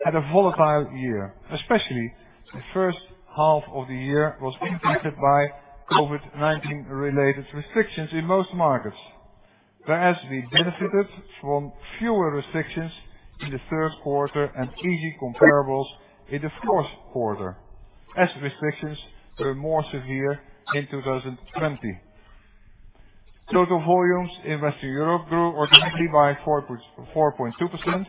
had a volatile year, especially the first half of the year was impacted by COVID-19 related restrictions in most markets. Whereas we benefited from fewer restrictions in the first quarter and easy comparables in the fourth quarter, as restrictions were more severe in 2020. Total volumes in Western Europe grew organically by 4.2%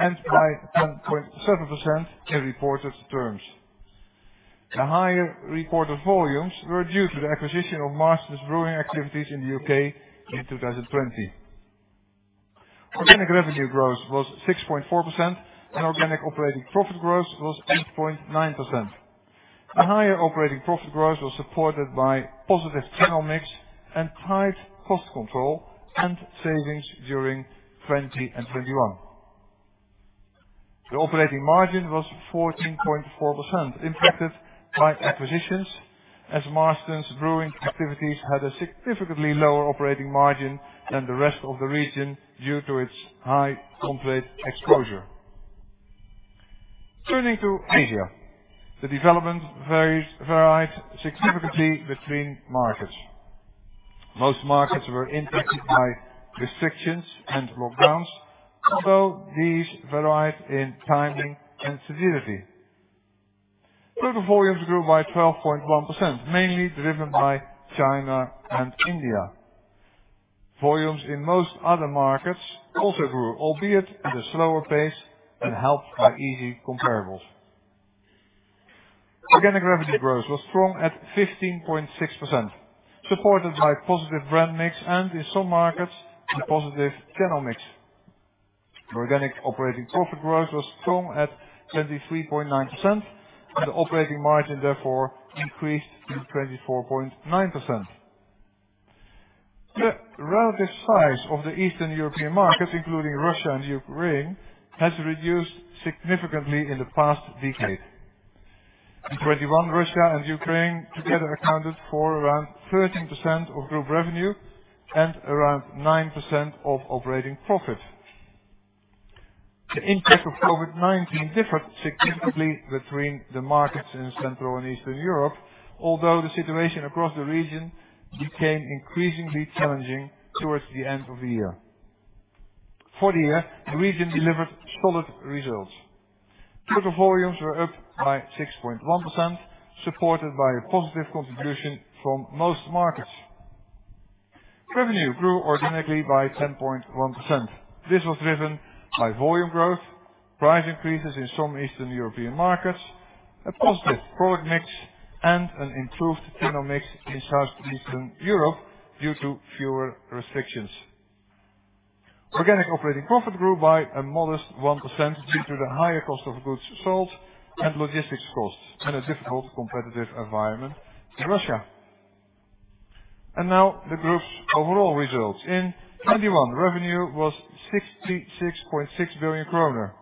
and by 10.7% in reported terms. The higher reported volumes were due to the acquisition of Marston's brewing activities in the U.K. in 2020. Organic revenue growth was 6.4% and organic operating profit growth was 8.9%. A higher operating profit growth was supported by positive channel mix and tight cost control and savings during 2020 and 2021. The operating margin was 14.4%, impacted by acquisitions as Marston's brewing activities had a significantly lower operating margin than the rest of the region due to its high off-trade exposure. Turning to Asia. The development varied significantly between markets. Most markets were impacted by restrictions and lockdowns, although these varied in timing and severity. Total volumes grew by 12.1%, mainly driven by China and India. Volumes in most other markets also grew, albeit at a slower pace and helped by easy comparables. Organic revenue growth was strong at 15.6%, supported by positive brand mix and in some markets, a positive channel mix. Organic operating profit growth was strong at 23.9%, and the operating margin therefore increased to 24.9%. The relative size of the Eastern European market, including Russia and Ukraine, has reduced significantly in the past decade. In 2021, Russia and Ukraine together accounted for around 13% of group revenue and around 9% of operating profit. The impact of COVID-19 differed significantly between the markets in Central and Eastern Europe, although the situation across the region became increasingly challenging towards the end of the year. For the year, the region delivered solid results. Total volumes were up by 6.1%, supported by a positive contribution from most markets. Revenue grew organically by 10.1%. This was driven by volume growth, price increases in some Eastern European markets, a positive product mix, and an improved channel mix in Southeastern Europe due to fewer restrictions. Organic operating profit grew by a modest 1% due to the higher cost of goods sold and logistics costs, and a difficult competitive environment in Russia. Now the group's overall results. In 2021, revenue was 66.6 billion kroner.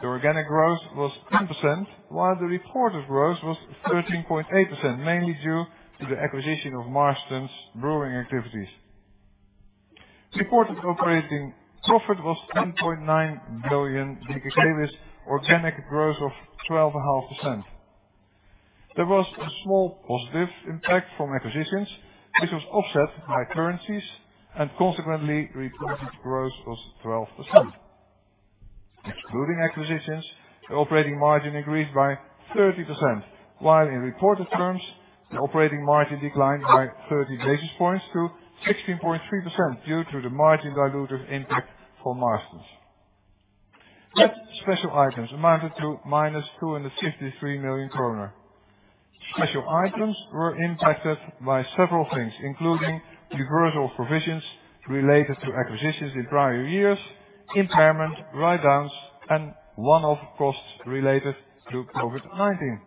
The organic growth was 10%, while the reported growth was 13.8%, mainly due to the acquisition of Marston's brewing activities. Supported operating profit was 10.9 billion, organic growth of 12.5%. There was a small positive impact from acquisitions, which was offset by currencies, and consequently, reported growth was 12%. Excluding acquisitions, the operating margin increased by 30%, while in reported terms, the operating margin declined by 30 basis points to 16.3% due to the margin dilutive impact from Marston's. Net special items amounted to -253 million kroner. Special items were impacted by several things, including reversal of provisions related to acquisitions in prior years, impairment, write-downs, and one-off costs related to COVID-19.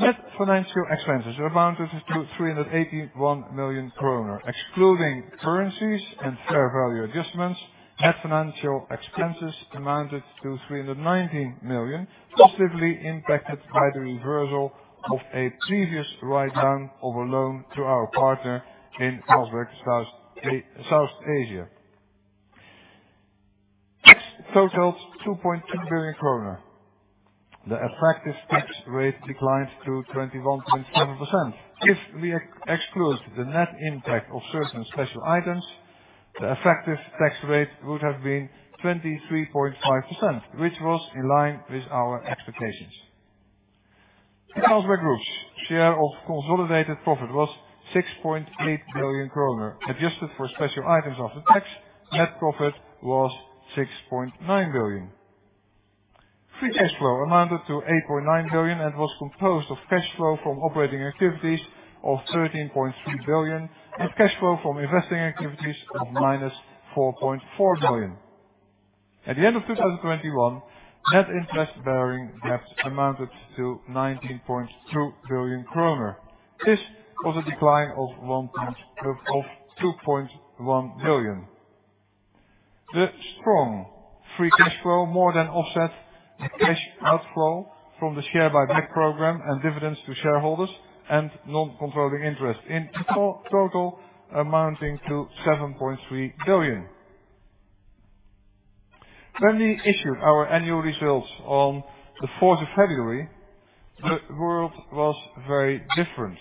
Net financial expenses amounted to 381 million kroner. Excluding currencies and fair value adjustments, net financial expenses amounted to 390 million, positively impacted by the reversal of a previous write-down of a loan to our partner in Carlsberg South Asia. Tax totaled 2.2 billion kroner. The effective tax rate declined to 21.7%. If we excluded the net impact of certain special items, the effective tax rate would have been 23.5%, which was in line with our expectations. Carlsberg Group's share of consolidated profit was 6.8 billion kroner. Adjusted for special items after tax, net profit was 6.9 billion. Free cash flow amounted to 8.9 billion and was composed of cash flow from operating activities of 13.3 billion and cash flow from investing activities of -4.4 billion. At the end of 2021, net interest-bearing debts amounted to 19.2 billion kroner. This was a decline of 2.1 billion. The strong free cash flow more than offset the cash outflow from the share buyback program and dividends to shareholders and non-controlling interest in total amounting to DKK 7.3 billion. When we issued our annual results on February 4th, the world was very different.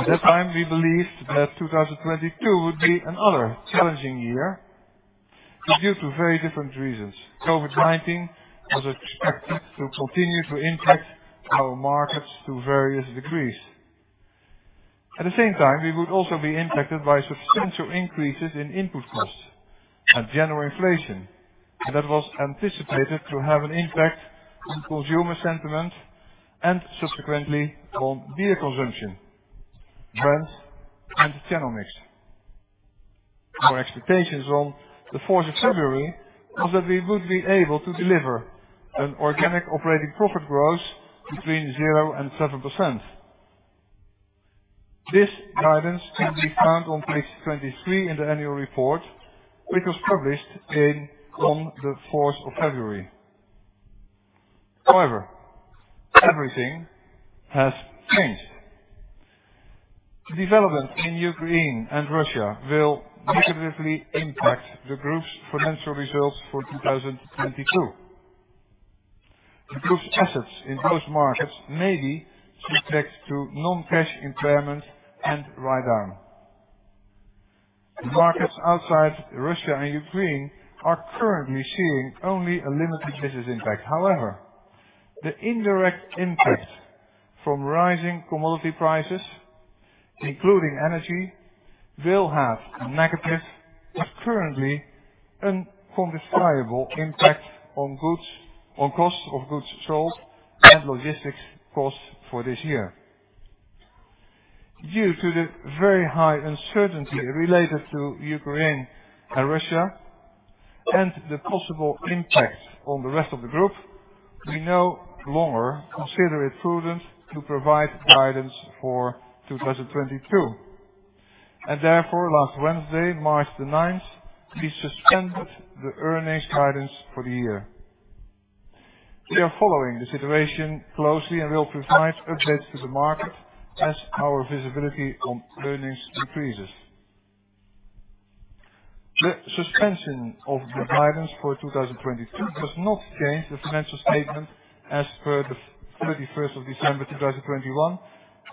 At that time, we believed that 2022 would be another challenging year, but due to very different reasons. COVID-19 was expected to continue to impact our markets to various degrees. At the same time, we would also be impacted by substantial increases in input costs and general inflation, and that was anticipated to have an impact on consumer sentiment and subsequently on beer consumption, brands, and the channel mix. Our expectations on February 4th was that we would be able to deliver an organic operating profit growth between 0%-7%. This guidance can be found on page 23 in the annual report, which was published on February 4th. However, everything has changed. The development in Ukraine and Russia will negatively impact the group's financial results for 2022. The group's assets in those markets may be subject to non-cash impairment and write-down. The markets outside Russia and Ukraine are currently seeing only a limited business impact. However, the indirect impact from rising commodity prices, including energy, will have a negative but currently unforeseeable impact on cost of goods sold and logistics costs for this year. Due to the very high uncertainty related to Ukraine and Russia and the possible impact on the rest of the group, we no longer consider it prudent to provide guidance for 2022. Therefore, last Wednesday, March 9th, we suspended the earnings guidance for the year. We are following the situation closely and will provide updates to the market as our visibility on earnings increases. The suspension of the guidance for 2022 does not change the financial statement as per December 31st, 2021,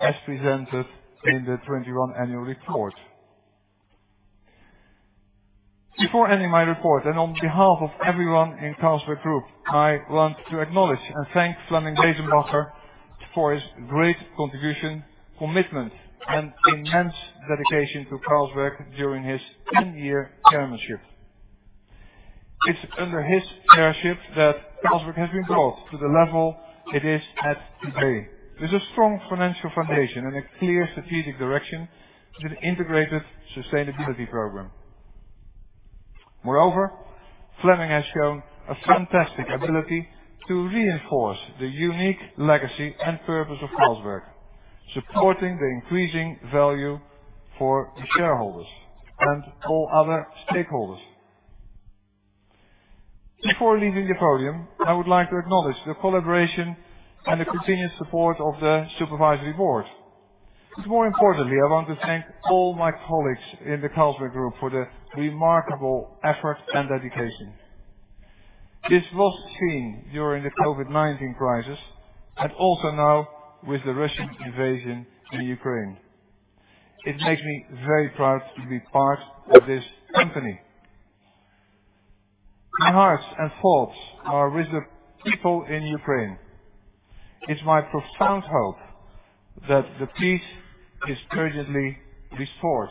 as presented in the 2021 annual report. Before ending my report and on behalf of everyone in Carlsberg Group, I want to acknowledge and thank Flemming Besenbacher for his great contribution, commitment, and immense dedication to Carlsberg during his 10-year chairmanship. It's under his chairmanship that Carlsberg has been brought to the level it is at today, with a strong financial foundation and a clear strategic direction with an integrated sustainability program. Moreover, Flemming has shown a fantastic ability to reinforce the unique legacy and purpose of Carlsberg, supporting the increasing value for the shareholders and all other stakeholders. Before leaving the podium, I would like to acknowledge the collaboration and the continued support of the Supervisory Board. More importantly, I want to thank all my colleagues in the Carlsberg Group for the remarkable effort and dedication. This was seen during the COVID-19 crisis and also now with the Russian invasion in Ukraine. It makes me very proud to be part of this company. My hearts and thoughts are with the people in Ukraine. It's my profound hope that the peace is urgently restored.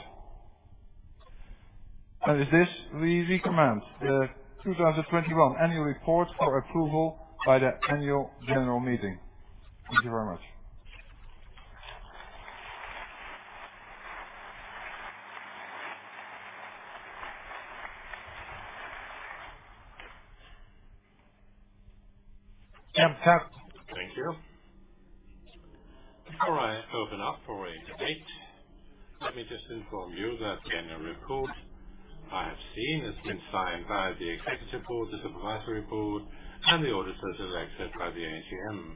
With this, we recommend the 2021 annual report for approval by the Annual General Meeting. Thank you very much. Thank you. Before I open up for a debate, let me just inform you that the annual report I have seen has been signed by the Executive Board, the Supervisory Board, and the auditors as accepted by the AGM.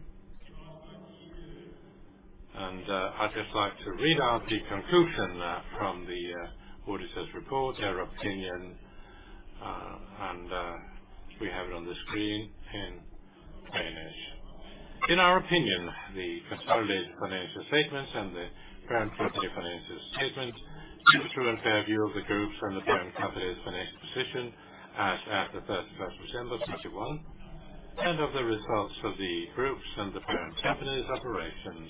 I'd just like to read out the conclusion from the auditors' report, their opinion, and we have it on the screen in Danish. In our opinion, the consolidated financial statements and the parent company financial statement give a true and fair view of the group's and the parent company's financial position as at December 1st, 2021, and of the results of the group's and the parent company's operations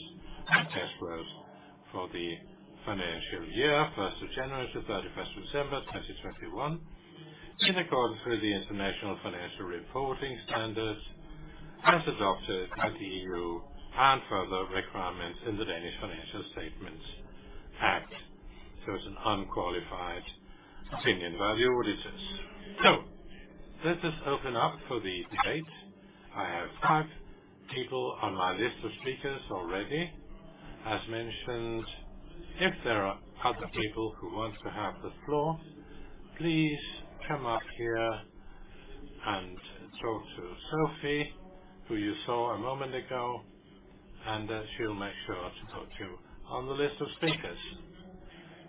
and cash flows for the financial year, January 1st-December 31st, 2021, in accordance with the International Financial Reporting Standards, as adopted by the EU and further requirements in the Danish Financial Statements Act. It's an unqualified opinion by auditors. Let us open up for the debate. I have five people on my list of speakers already. As mentioned, if there are other people who want to have the floor, please come up here and talk to Sophie, who you saw a moment ago, and she'll make sure to put you on the list of speakers.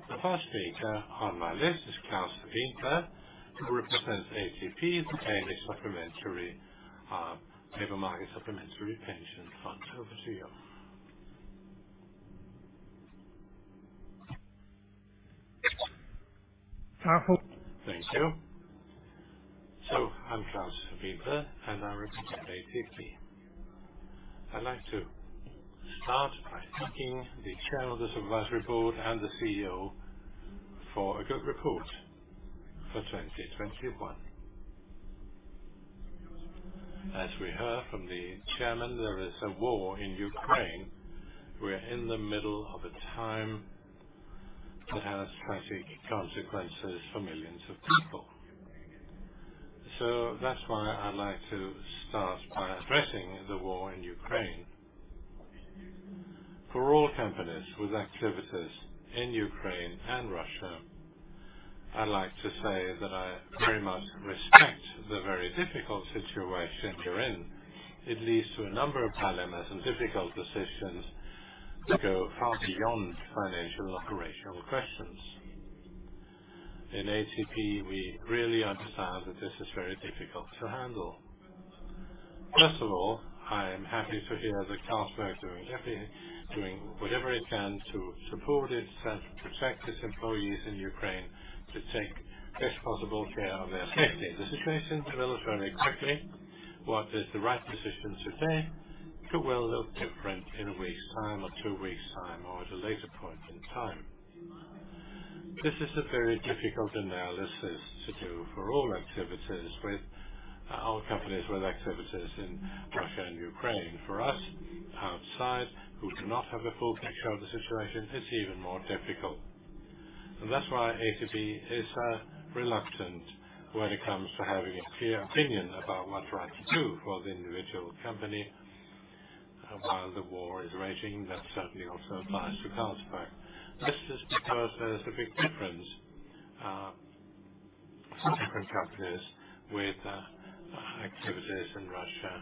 The first speaker on my list is Claus Wiinblad, who represents ATP, the Danish Supplementary Labor Market Supplementary Pension Fund. Over to you. Thank you. I'm Claus Wiinblad, and I represent ATP. I'd like to start by thanking the Chair of the Supervisory Board and the CEO for a good report for 2021. As we heard from the chairman, there is a war in Ukraine. We're in the middle of a time that has tragic consequences for millions of people. That's why I'd like to start by addressing the war in Ukraine. For all companies with activities in Ukraine and Russia, I'd like to say that I very much respect the very difficult situation you're in. It leads to a number of dilemmas and difficult decisions that go far beyond financial and operational questions. In ATP, we really understand that this is very difficult to handle. First of all, I am happy to hear that Carlsberg is definitely doing whatever it can to support and protect its employees in Ukraine to take best possible care of their safety. The situation develops very quickly. What is the right decision today could well look different in a week's time or two weeks time or at a later point in time. This is a very difficult analysis to do for all companies with activities in Russia and Ukraine. For us outside, who do not have a full picture of the situation, it's even more difficult. That's why ATP is reluctant when it comes to having a clear opinion about what's right to do for the individual company while the war is raging. That certainly also applies to Carlsberg. This is because there's a big difference for different companies with activities in Russia.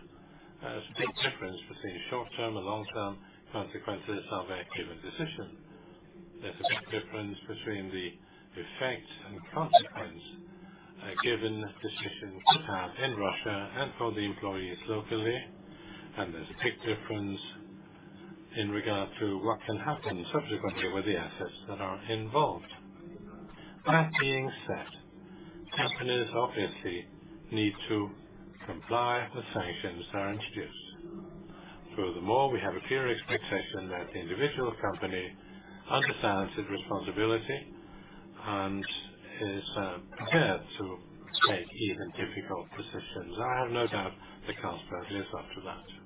There's a big difference between short-term and long-term consequences of a given decision. There's a big difference between the effect and consequence a given decision could have in Russia and for the employees locally. There's a big difference in regard to what can happen subsequently with the assets that are involved. That being said, companies obviously need to comply if the sanctions are introduced. Furthermore, we have a clear expectation that the individual company understands its responsibility and is prepared to make even difficult decisions. I have no doubt that Carlsberg lives up to that.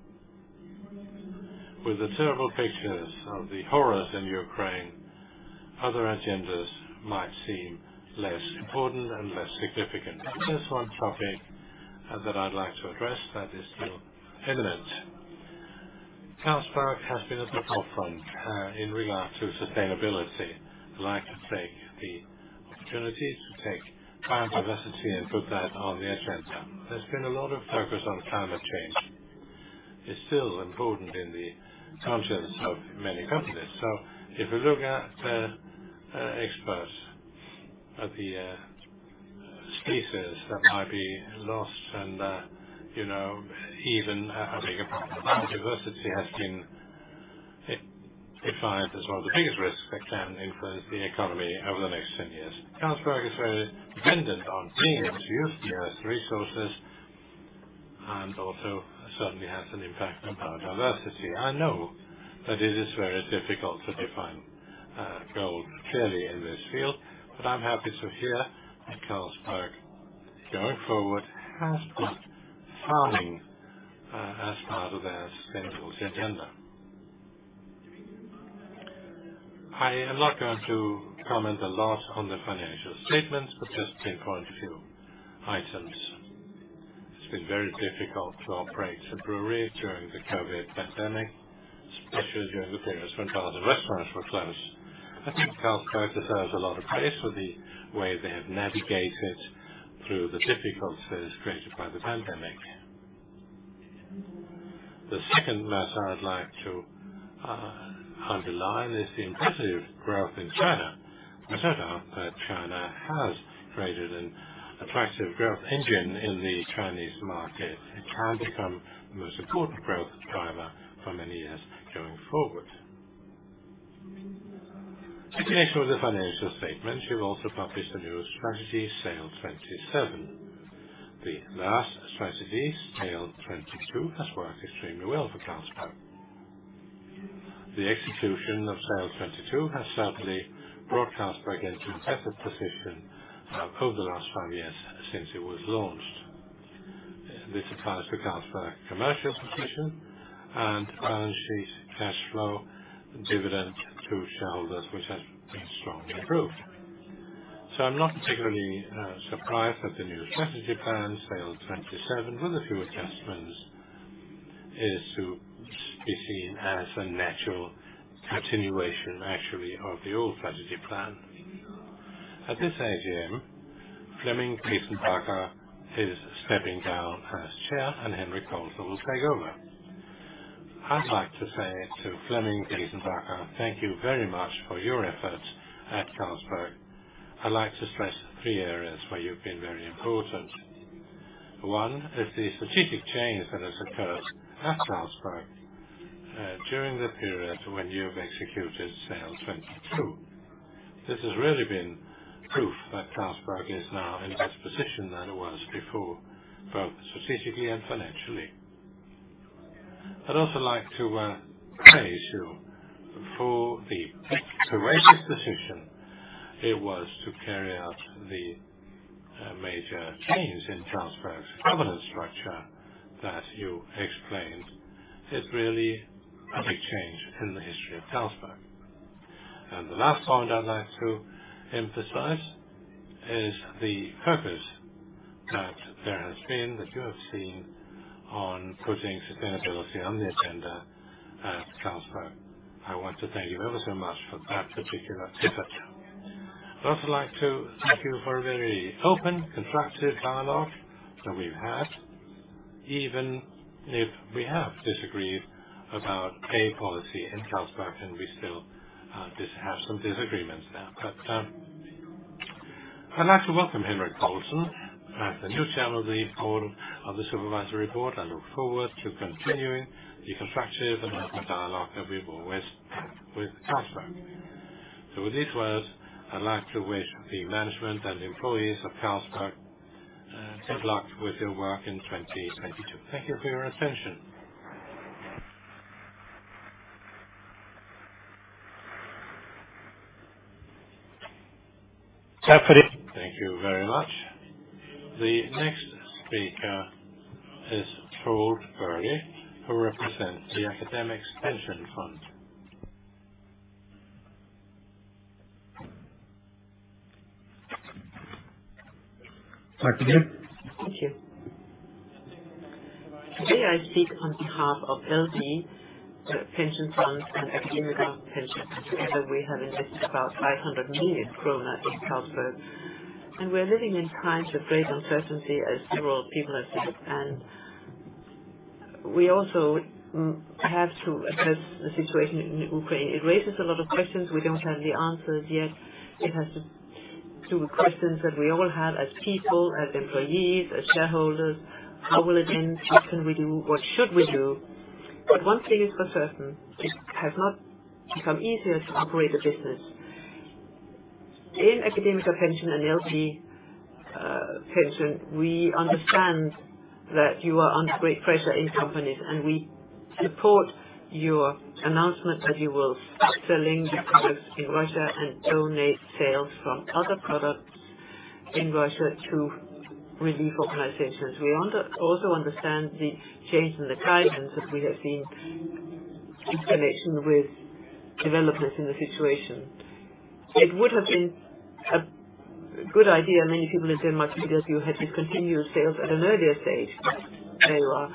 With the terrible pictures of the horrors in Ukraine, other agendas might seem less important and less significant. There's one topic that I'd like to address that is still imminent. Carlsberg has been at the forefront in regard to sustainability. I'd like to take the opportunity to take biodiversity and put that on the agenda. There's been a lot of focus on climate change. It's still important in the consciousness of many companies. If you look at extinction of the species that might be lost and you know even a bigger problem, biodiversity has been defined as one of the biggest risks affecting the economy over the next 10 years. Carlsberg is very dependent on precious use of Earth's resources and also certainly has an impact on biodiversity. I know that it is very difficult to define goals clearly in this field, but I'm happy to hear that Carlsberg, going forward, has put farming as part of their sustainability agenda. I am not going to comment a lot on the financial statements, but just pinpoint a few items. It's been very difficult to operate a brewery during the COVID pandemic, especially during the periods when bars and restaurants were closed. I think Carlsberg deserves a lot of praise for the way they have navigated through the difficulties created by the pandemic. The second matter I'd like to underline is the impressive growth in China. No doubt that China has created an attractive growth engine in the Chinese market. It can become the most important growth driver for many years going forward. In addition to the financial statements, you've also published the new strategy SAIL'27. The last strategy, SAIL'22, has worked extremely well for Carlsberg. The execution of SAIL'22 has certainly brought Carlsberg into a better position over the last 5 years since it was launched. This applies to Carlsberg commercial position and balance sheet cashflow dividend to shareholders, which has been strongly improved. I'm not particularly surprised that the new strategy plan SAIL'27, with a few adjustments, is to be seen as a natural continuation, actually, of the old strategy plan. At this AGM, Flemming Besenbacher is stepping down as chair, and Henrik Poulsen will take over. I'd like to say to Flemming Besenbacher, thank you very much for your efforts at Carlsberg. I'd like to stress three areas where you've been very important. One is the strategic change that has occurred at Carlsberg during the period when you've executed SAIL'22. This has really been proof that Carlsberg is now in a better position than it was before, both strategically and financially. I'd also like to praise you for the courageous decision it was to carry out the major change in Carlsberg's governance structure that you explained. It's really a big change in the history of Carlsberg. The last point I'd like to emphasize is the purpose that there has been, that you have seen on putting sustainability on the agenda at Carlsberg. I want to thank you ever so much for that particular effort. I'd also like to thank you for a very open, constructive dialogue that we've had, even if we have disagreed about a policy in Carlsberg, and we still disagree, have some disagreements there. I'd like to welcome Henrik Poulsen as the new Chair of the Supervisory Board. I look forward to continuing the constructive and open dialogue that we've always had with Carlsberg. With these words, I'd like to wish the management and employees of Carlsberg good luck with your work in 2022. Thank you for your attention. Thank you very much. The next speaker is Troels Børrild, who represents the AkademikerPension. Thank you. Today I speak on behalf of LD Pensions and AkademikerPension. Together we have invested about 500 million kroner in Carlsberg. We're living in times of great uncertainty, as several people have said. We also have to assess the situation in Ukraine. It raises a lot of questions. We don't have the answers yet. It has to do with questions that we all have as people, as employees, as shareholders. How will it end? What can we do? What should we do? One thing is for certain, it has not become easier to operate a business. In AkademikerPension and LD Pensions, we understand that you are under great pressure in companies, and we support your announcement that you will stop selling the products in Russia and donate sales from other products in Russia to relief organizations. We also understand the change in the guidance that we have seen in connection with developments in the situation. It would have been a good idea. Many people have said as much, because you had discontinued sales at an earlier stage where you are.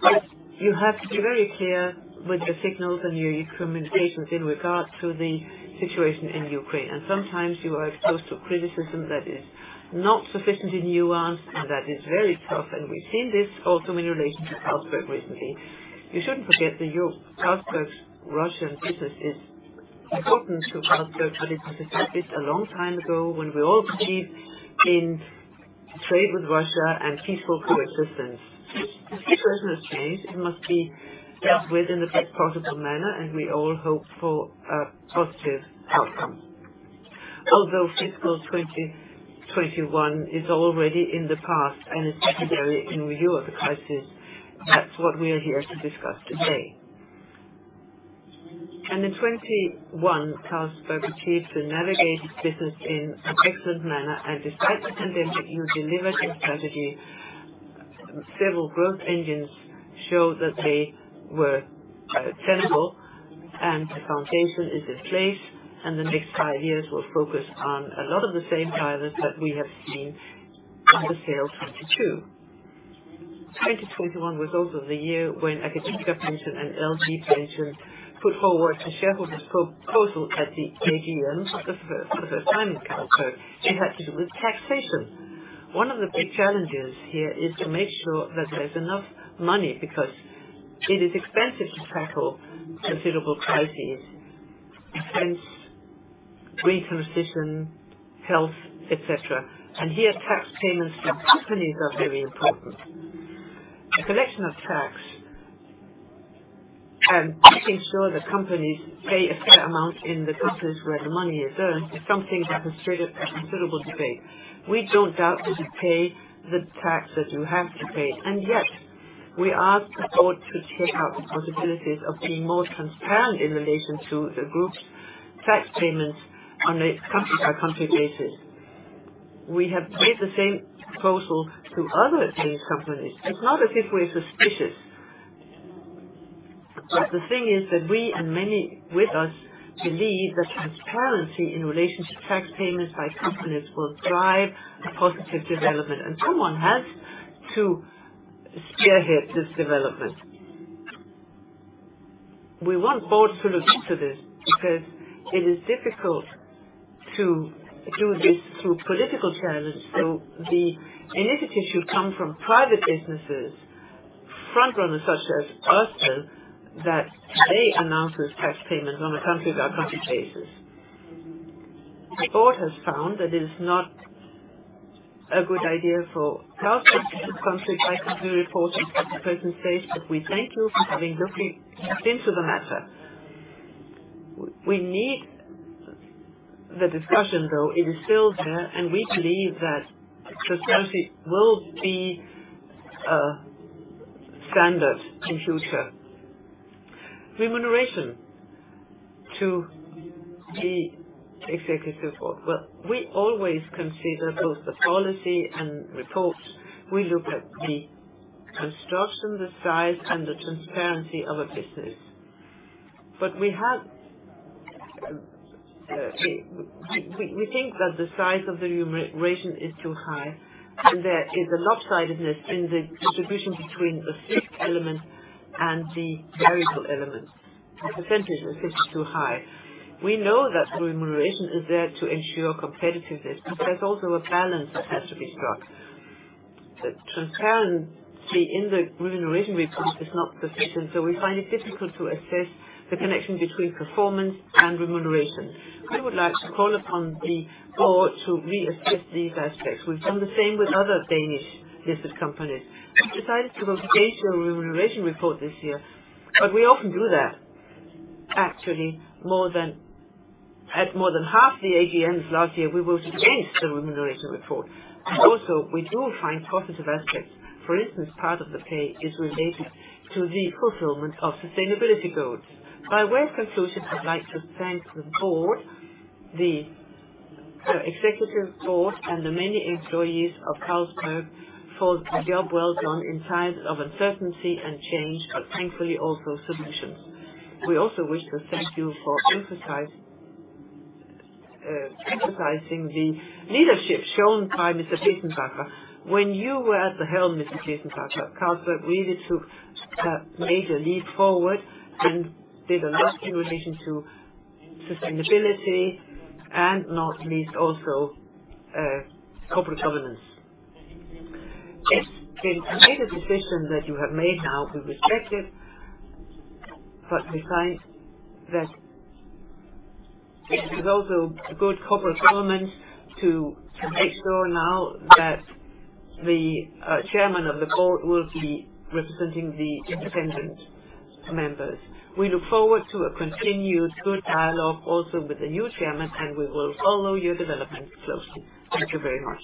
But you have to be very clear with the signals and your communications in regards to the situation in Ukraine. Sometimes you are exposed to criticism that is not sufficiently nuanced, and that is very tough. We've seen this also in relation to Carlsberg recently. You shouldn't forget that your Carlsberg's Russian business is important to Carlsberg, but it was established a long time ago when we all believed in trade with Russia and peaceful coexistence. The situation has changed. It must be dealt with in the best possible manner, and we all hope for a positive outcome. Although fiscal 2021 is already in the past and is secondary in review of the crisis, that's what we are here to discuss today. In 2021, Carlsberg achieved to navigate business in an excellent manner. Despite the pandemic, you delivered your strategy. Several growth engines show that they were tenable and the foundation is in place. The next five years will focus on a lot of the same pillars that we have seen under SAIL'22. 2021 was also the year when AkademikerPension and LD Pensions put forward a shareholder proposal at the AGM for the first time in Carlsberg. It had to do with taxation. One of the big challenges here is to make sure that there's enough money because it is expensive to tackle considerable crises, defense, green transition, health, etc. Here, tax payments for companies are very important. The collection of tax and making sure that companies pay a fair amount in the countries where the money is earned is something that has created a considerable debate. We don't doubt that you pay the tax that you have to pay, and yet we asked the Board to check out the possibilities of being more transparent in relation to the group's tax payments on a country by country basis. We have made the same proposal to other Danish companies. It's not that people are suspicious, but the thing is that we and many with us believe that transparency in relation to tax payments by companies will drive a positive development, and someone has to spearhead this development. We want Boards to look into this because it is difficult to do this through political channels. The initiatives should come from private businesses, front runners such as us, that today announces tax payments on a country by country basis. The Board has found that it is not a good idea for Carlsberg to do country by country reporting at the present stage, but we thank you for having looked into the matter. We need the discussion, though it is still there, and we believe that transparency will be standard in future. Remuneration to the Executive Board. Well, we always consider both the policy and report. We look at the construction, the size, and the transparency of a business. But we think that the size of the remuneration is too high, and there is a lopsidedness in the distribution between the fixed element and the variable element. The percentage is simply too high. We know that remuneration is there to ensure competitiveness, but there's also a balance that has to be struck. The transparency in the remuneration report is not sufficient, so we find it difficult to assess the connection between performance and remuneration. We would like to call upon the Board to reassess these aspects. We've done the same with other Danish listed companies. We've decided to vote against your remuneration report this year, but we often do that. Actually, at more than half the AGMs last year, we voted against the remuneration report. Also we do find positive aspects. For instance, part of the pay is related to the fulfillment of sustainability goals. By way of conclusion, I'd like to thank the Board, the Executive Board, and the many employees of Carlsberg for the job well done in times of uncertainty and change, but thankfully also solutions. We also wish to thank you for emphasizing the leadership shown by Mr. Besenbacher. When you were at the helm, Mr. Besenbacher, Carlsberg really took a major leap forward and did a lot in relation to sustainability and not least also corporate governance. The major decision that you have made now, we respect it, but we find that it is also good corporate governance to make sure now that the chairman of the Board will be representing the independent members. We look forward to a continued good dialogue also with the new chairman, and we will follow your development closely. Thank you very much.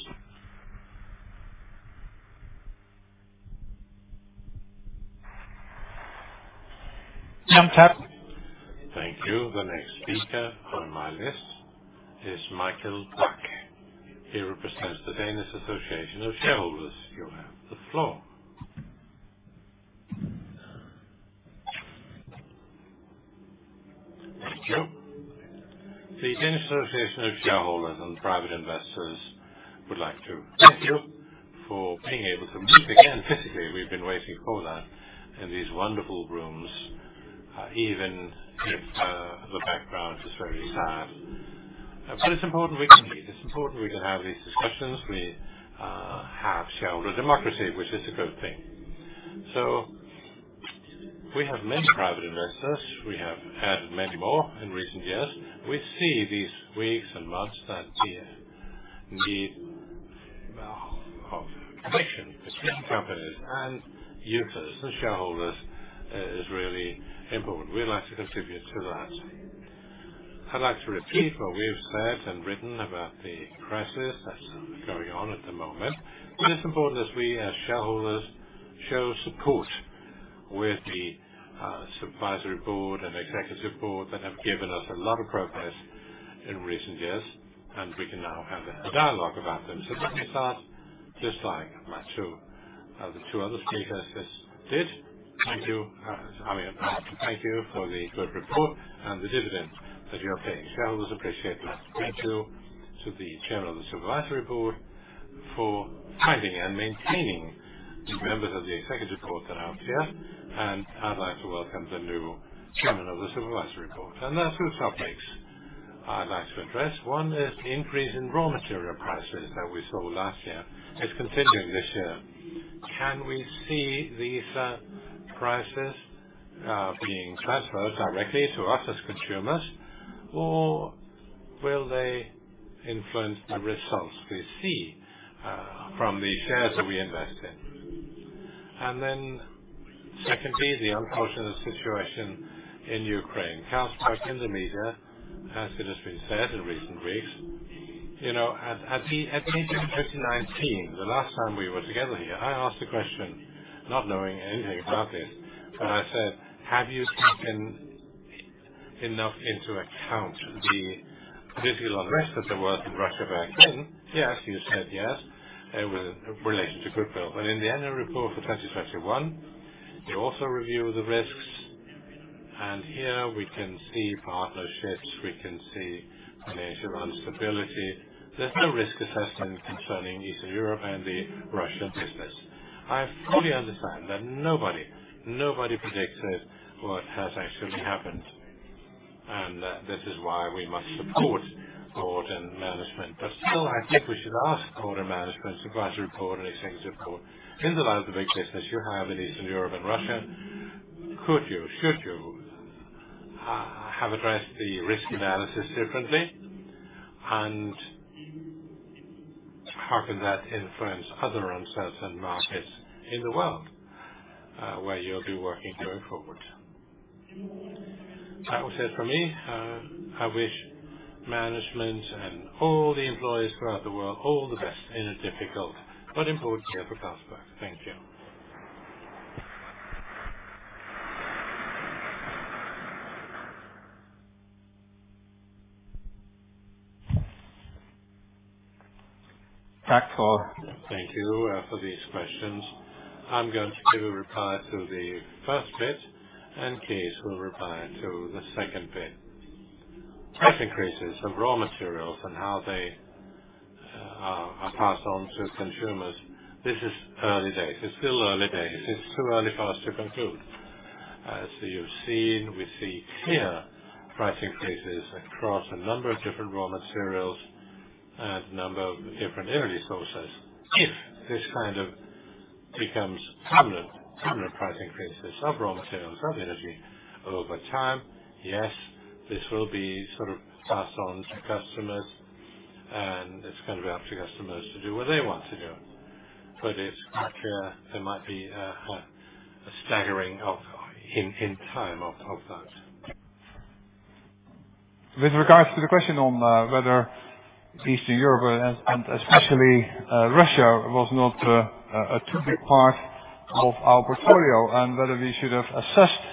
Time's up. Thank you. The next speaker on my list is Mikael Bak. He represents the Danish Shareholders' Association. You have the floor. Thank you. The Danish Shareholders' Association would like to thank you for being able to meet again physically. We've been waiting for that in these wonderful rooms, even if the background is very sad. It's important we can meet. It's important we can have these discussions. We have shareholder democracy, which is a good thing. We have many private investors. We have had many more in recent years. We see these weeks and months that the need of connection between companies and owners and shareholders is really important. We'd like to contribute to that. I'd like to repeat what we have said and written about the crisis that's going on at the moment. It's important that we as shareholders show support with the supervisory Board and Executive Board that have given us a lot of progress in recent years, and we can now have a dialogue about them. Let me start just like the two other speakers just did. Thank you. I mean, thank you for the good report and the dividend that you are paying. Shareholders appreciate that. Thank you to the Chairman of the Supervisory Board for finding and maintaining the members of the Executive Board that are out there. I'd like to welcome the new Chairman of the Supervisory Board. There are two topics I'd like to address. One is the increase in raw material prices that we saw last year. It's continuing this year. Can we see these prices being transferred directly to us as consumers, or will they influence the results we see from the shares that we invest in? Second, the unfortunate situation in Ukraine. Carlsberg in the media, as it has been said in recent weeks. You know, at meeting in 2019, the last time we were together here, I asked a question, not knowing anything about this. I said, "Have you taken enough into account the digital risk that there was in Russia back then?" Yes. You said yes. It was in relation to goodwill. In the annual report for 2021, you also review the risks. Here we can see partnerships, we can see financial instability. There's no risk assessment concerning Eastern Europe and the Russian business. I fully understand that nobody predicted what has actually happened. That this is why we must support Board and Management. Still, I think we should ask Board and Management, Supervisory Board and Executive Board. In the light of the big business you have in Eastern Europe and Russia, could you, should you, have addressed the risk analysis differently? How can that influence other uncertain markets in the world, where you'll be working going forward? That was it for me. I wish management and all the employees throughout the world all the best in a difficult but important year for Carlsberg. Thank you. Thank you for these questions. I'm going to reply to the first bit, and Cees will reply to the second bit. Price increases of raw materials and how they are passed on to consumers. This is early days. It's still early days. It's too early for us to conclude. As you've seen, we see here pricing increases across a number of different raw materials and a number of different energy sources. If this kind of becomes permanent, pricing increases of raw materials, of energy over time, yes, this will be sort of passed on to customers, and it's gonna be up to customers to do what they want to do. It's not clear there might be a staggering in time of that. With regards to the question on whether Eastern Europe and especially Russia was not too big a part of our portfolio, and whether we should have assessed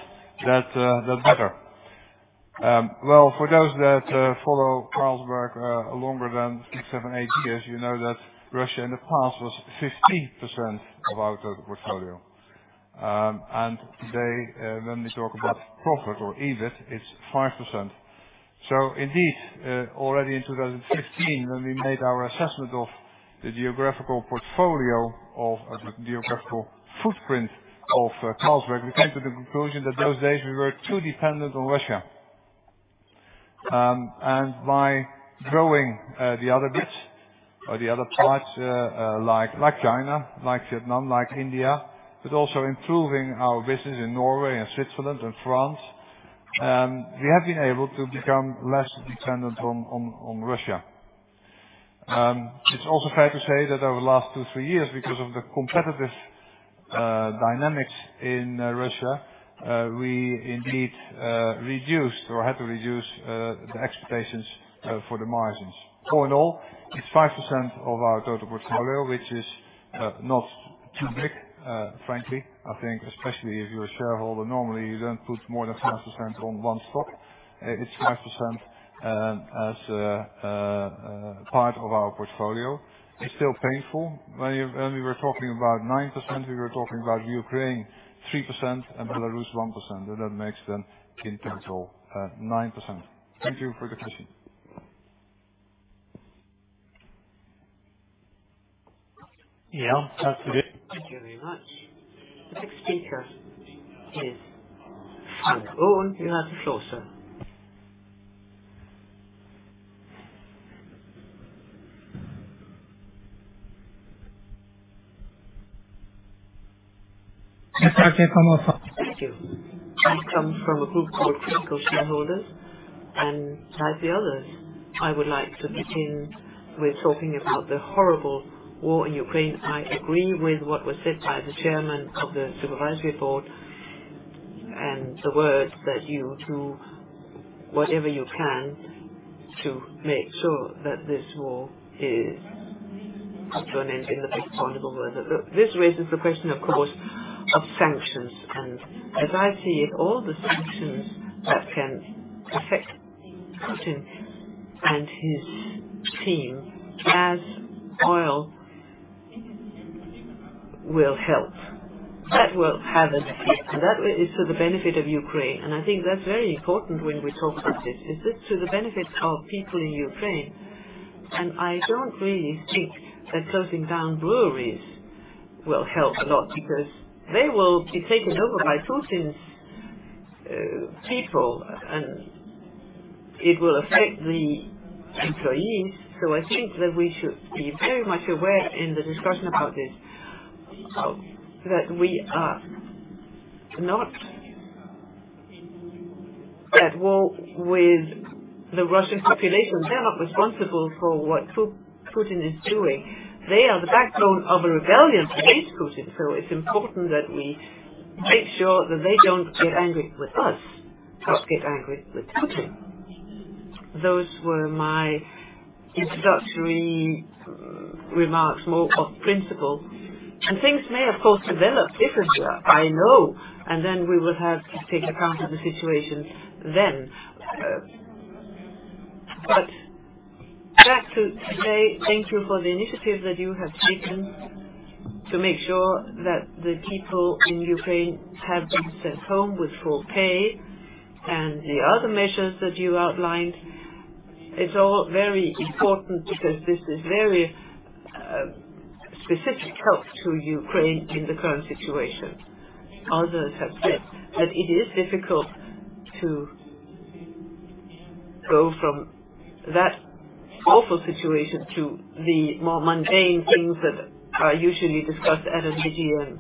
that better. Well, for those that follow Carlsberg longer than 6, 7, 8 years, you know that Russia in the past was 15% of our total portfolio. Today, when we talk about profit or EBIT, it's 5%. Indeed, already in 2015, when we made our assessment of the geographical footprint of Carlsberg, we came to the conclusion that those days we were too dependent on Russia. By growing the other bits or the other parts, like China, like Vietnam, like India, but also improving our business in Norway and Switzerland and France, we have been able to become less dependent on Russia. It's also fair to say that over the last 2, 3 years, because of the competitive dynamics in Russia, we indeed reduced or had to reduce the expectations for the margins. All in all, it's 5% of our total portfolio, which is not too big, frankly. I think especially if you're a shareholder, normally you don't put more than 5% on one stock. It's 5% as a part of our portfolio. It's still painful. When we were talking about 9%, we were talking about Ukraine 3% and Belarus 1%. That makes then in total 9%. Thank you for the question. Thank you very much. The next speaker is Frank Aaen. You have the floor, sir. Thank you. I come from a group called Critical Shareholders. Like the others, I would like to begin with talking about the horrible war in Ukraine. I agree with what was said by the Chairman of the Supervisory Board and the words that you do whatever you can to make sure that this war is come to an end in the best possible way. This raises the question, of course, of sanctions. As I see it, all the sanctions that can affect Putin and his team as oil will help. That will have an effect, and that is for the benefit of Ukraine. I think that's very important when we talk about this, is it to the benefit of people in Ukraine? I don't really think that closing down breweries will help a lot because they will be taken over by Putin's people, and it will affect the employees. I think that we should be very much aware in the discussion about this that we are not That war with the Russian population, they're not responsible for what Putin is doing. They are the backbone of a rebellion against Putin. It's important that we make sure that they don't get angry with us but get angry with Putin. Those were my introductory remarks, more of principle. Things may of course develop differently, I know, and then we will have to take account of the situation then. Back to say thank you for the initiatives that you have taken to make sure that the people in Ukraine have been sent home with full pay and the other measures that you outlined. It's all very important because this is very specific help to Ukraine in the current situation. Others have said that it is difficult to go from that awful situation to the more mundane things that are usually discussed at an AGM.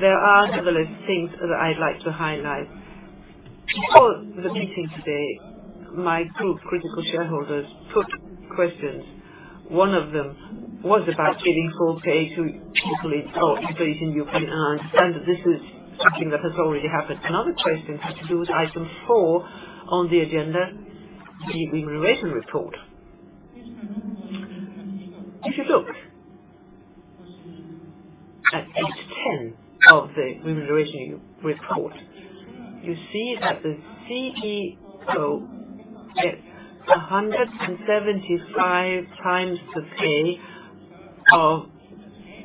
There are nevertheless things that I'd like to highlight. Before the meeting today, my group, Critical Shareholders, put questions. One of them was about paying full pay to people in, or employees in Ukraine, and I understand that this is something that has already happened. Another question had to do with item four on the agenda, the remuneration report. If you look at page 10 of the remuneration report, you see that the CEO gets 175 times the pay of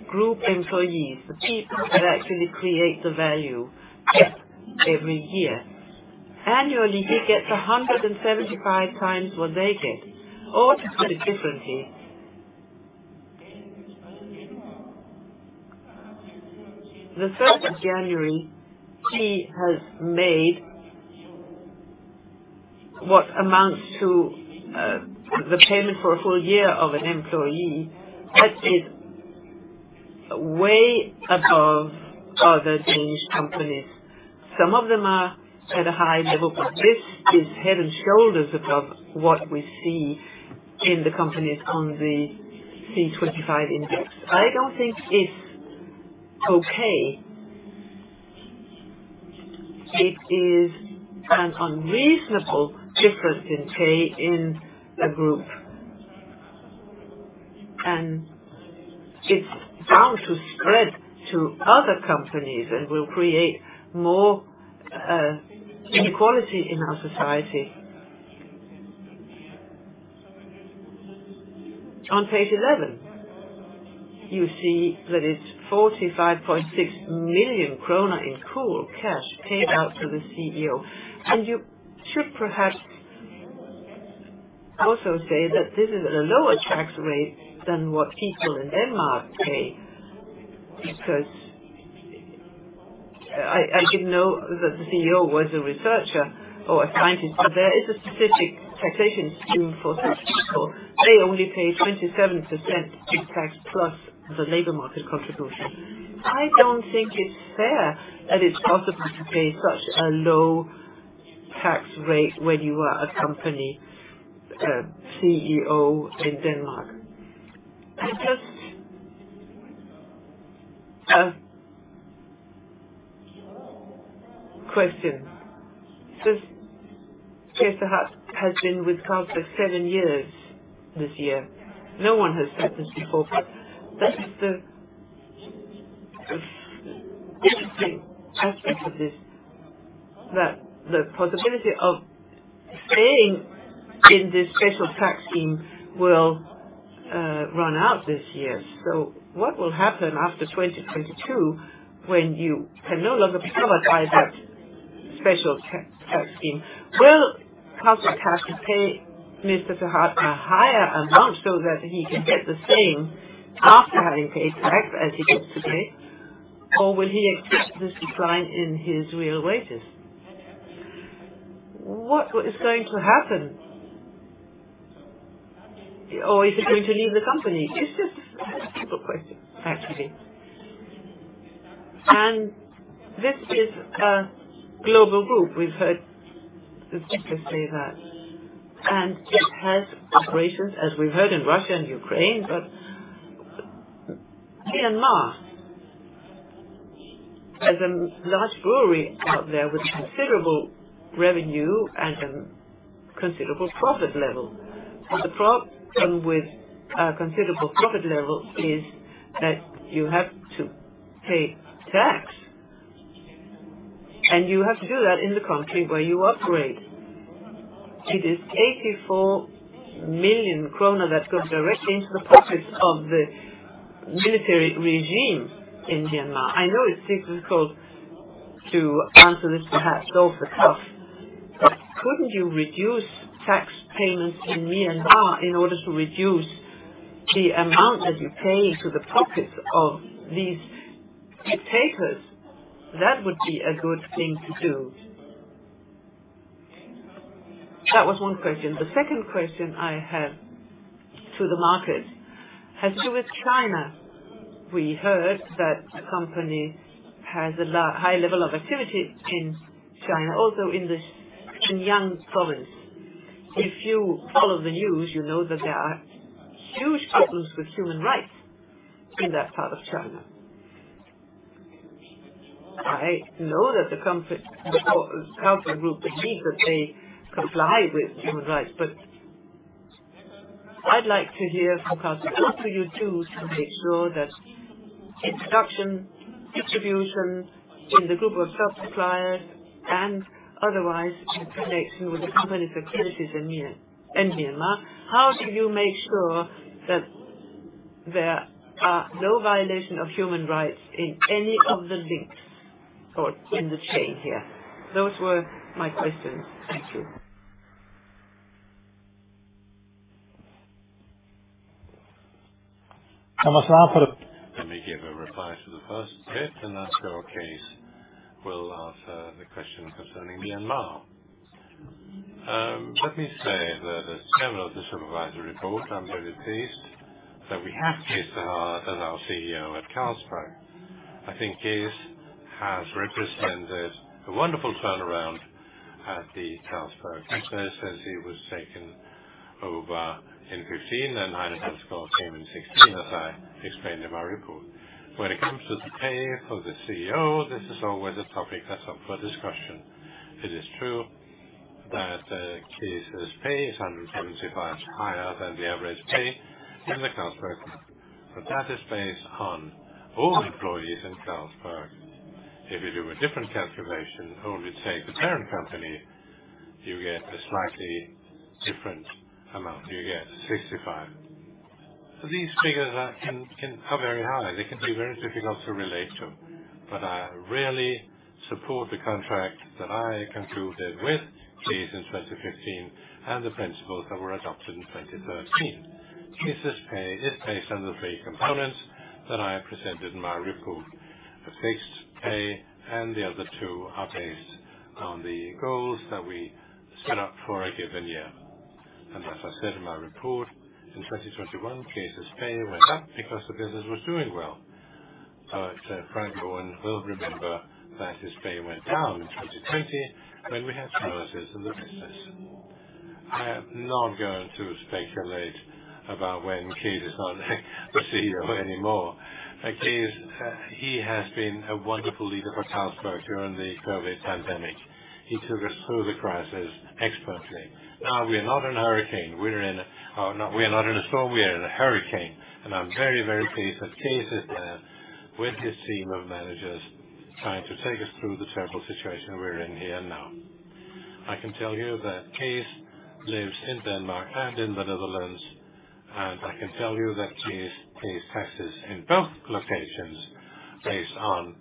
group employees, the people that actually create the value every year. Annually, he gets 175 times what they get. Or to put it differently, January 1st, he has made what amounts to the payment for a full year of an employee. That is way above other Danish companies. Some of them are at a high level, but this is head and shoulders above what we see in the companies on the OMXC25 index. I don't think it's okay. It is an unreasonable difference in pay in the group. It's bound to spread to other companies and will create more inequality in our society. On page 11, you see that it's 45.6 million kroner in cash paid out to the CEO. You should perhaps also say that this is at a lower tax rate than what people in Denmark pay. Because I didn't know that the CEO was a researcher or a scientist, but there is a specific taxation scheme for such people. They only pay 27% in tax plus the labor market contribution. I don't think it's fair that it's possible to pay such a low tax rate when you are a company CEO in Denmark. Just a question. Since Cees 't Hart has been with Carlsberg seven years this year, no one has said this before, but that's the interesting aspect of this, that the possibility of staying in this special tax scheme will run out this year. What will happen after 2022 when you can no longer privatize that special tax scheme? Will Carlsberg have to pay Mr. 't Hart a higher amount so that he can get the same after having paid tax as he gets today? Or will he accept this decline in his real wages? What is going to happen? Or is he going to leave the company? It's just a simple question, actually. This is a global group. We've heard the speaker say that. It has operations, as we've heard, in Russia and Ukraine. Myanmar has a large brewery out there with considerable revenue and a considerable profit level. The problem with a considerable profit level is that you have to pay tax, and you have to do that in the country where you operate. It is 84 million kroner that goes directly into the pockets of the military regime in Myanmar. I know it's difficult to answer this perhaps off the cuff, but couldn't you reduce tax payments in Myanmar in order to reduce the amount that you pay to the pockets of these dictators? That would be a good thing to do. That was one question. The second question I have to the market has to do with China. We heard that the company has a high level of activity in China, also in the Xinjiang province. If you follow the news, you know that there are huge problems with human rights in that part of China. I know that the Carlsberg Group believes that they comply with human rights, but I'd like to hear from Carlsberg Group, how do you choose to make sure that its production, distribution in the group of sub-suppliers and otherwise in connection with the company's activities in Myanmar, how do you make sure that there are no violation of human rights in any of the links or in the chain here? Those were my questions. Thank you. Let me give a reply to the first bit, and after our case, we'll answer the question concerning Myanmar. Let me say that as Chairman of the Supervisory Board, I'm very pleased that we have Cees as our CEO at Carlsberg. I think Cees has represented a wonderful turnaround at the Carlsberg business as it was taken over in 2015, and Heine Dalsgaard came in 2016, as I explained in my report. When it comes to the pay for the CEO, this is always a topic that's up for discussion. It is true that Cees' pay is 175% higher than the average pay in Carlsberg. That is based on all employees in Carlsberg. If you do a different calculation, only take the parent company, you get a slightly different amount. You get 65%. These figures are very high. They can be very difficult to relate to. I really support the contract that I concluded with Cees in 2015 and the principles that were adopted in 2013. Cees' pay is based on the three components that I have presented in my report. The fixed pay and the other two are based on the goals that we set up for a given year. As I said in my report, in 2021, Cees' pay went up because the business was doing well. Frank Aaen will remember that his pay went down in 2020 when we had challenges in the business. I am not going to speculate about when Cees is not the CEO anymore. Cees, he has been a wonderful leader for Carlsberg during the COVID pandemic. He took us through the crisis expertly. Now, we are not in a hurricane. We are not in a storm, we are in a hurricane. I'm very, very pleased that Cees 't Hart is there with his team of managers trying to take us through the terrible situation we're in here now. I can tell you that Cees 't Hart lives in Denmark and in the Netherlands, and I can tell you that Cees 't Hart pays taxes in both locations based on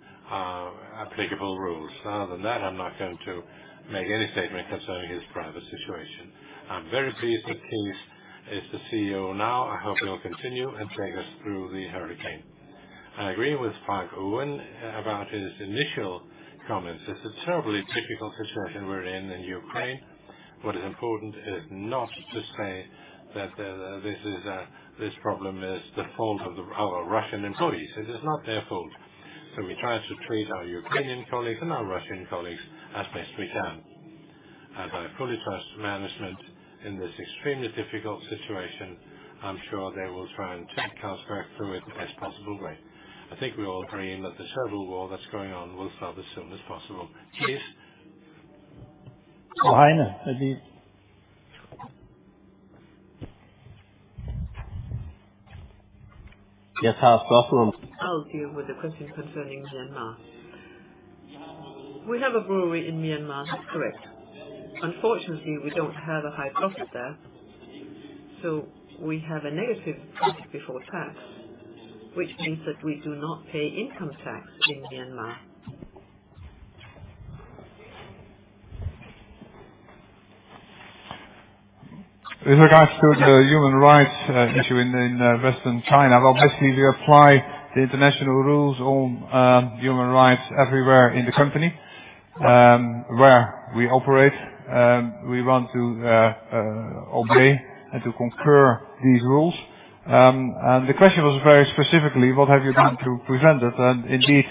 applicable rules. Other than that, I'm not going to make any statement concerning his private situation. I'm very pleased that Cees 't Hart is the CEO now. I hope he'll continue and take us through the hurricane. I agree with Frank Aaen about his initial comments. It's a terribly difficult situation we're in Ukraine. What is important is not to say that this problem is the fault of our Russian employees. It is not their fault. We try to treat our Ukrainian colleagues and our Russian colleagues as best we can. I fully trust management in this extremely difficult situation. I'm sure they will try and take Carlsberg through it the best possible way. I think we all pray that the civil war that's going on will stop as soon as possible. Cees? Heine, please. I'll deal with the question concerning Myanmar. We have a brewery in Myanmar, that's correct. Unfortunately, we don't have a high profit there, so we have a negative profit before tax, which means that we do not pay income tax in Myanmar. With regards to the human rights issue in western China, well, basically, we apply the international rules on human rights everywhere in the company where we operate. We want to obey and to concur these rules. The question was very specifically, what have you done to prevent it? Indeed,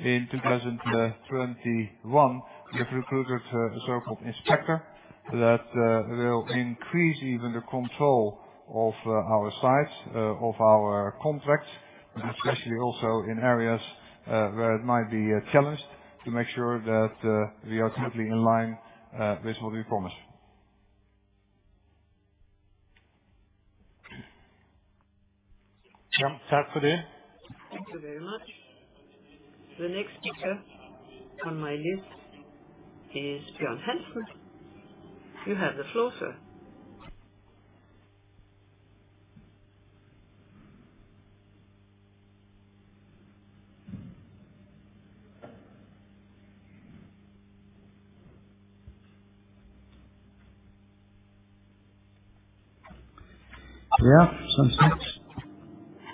in 2021, we've recruited a so-called inspector that will increase even the control of our sites of our contracts, and especially also in areas where it might be challenged to make sure that we are totally in line with what we promise. Thank you very much. The next speaker on my list is Bjørn Hansen. You have the floor, sir.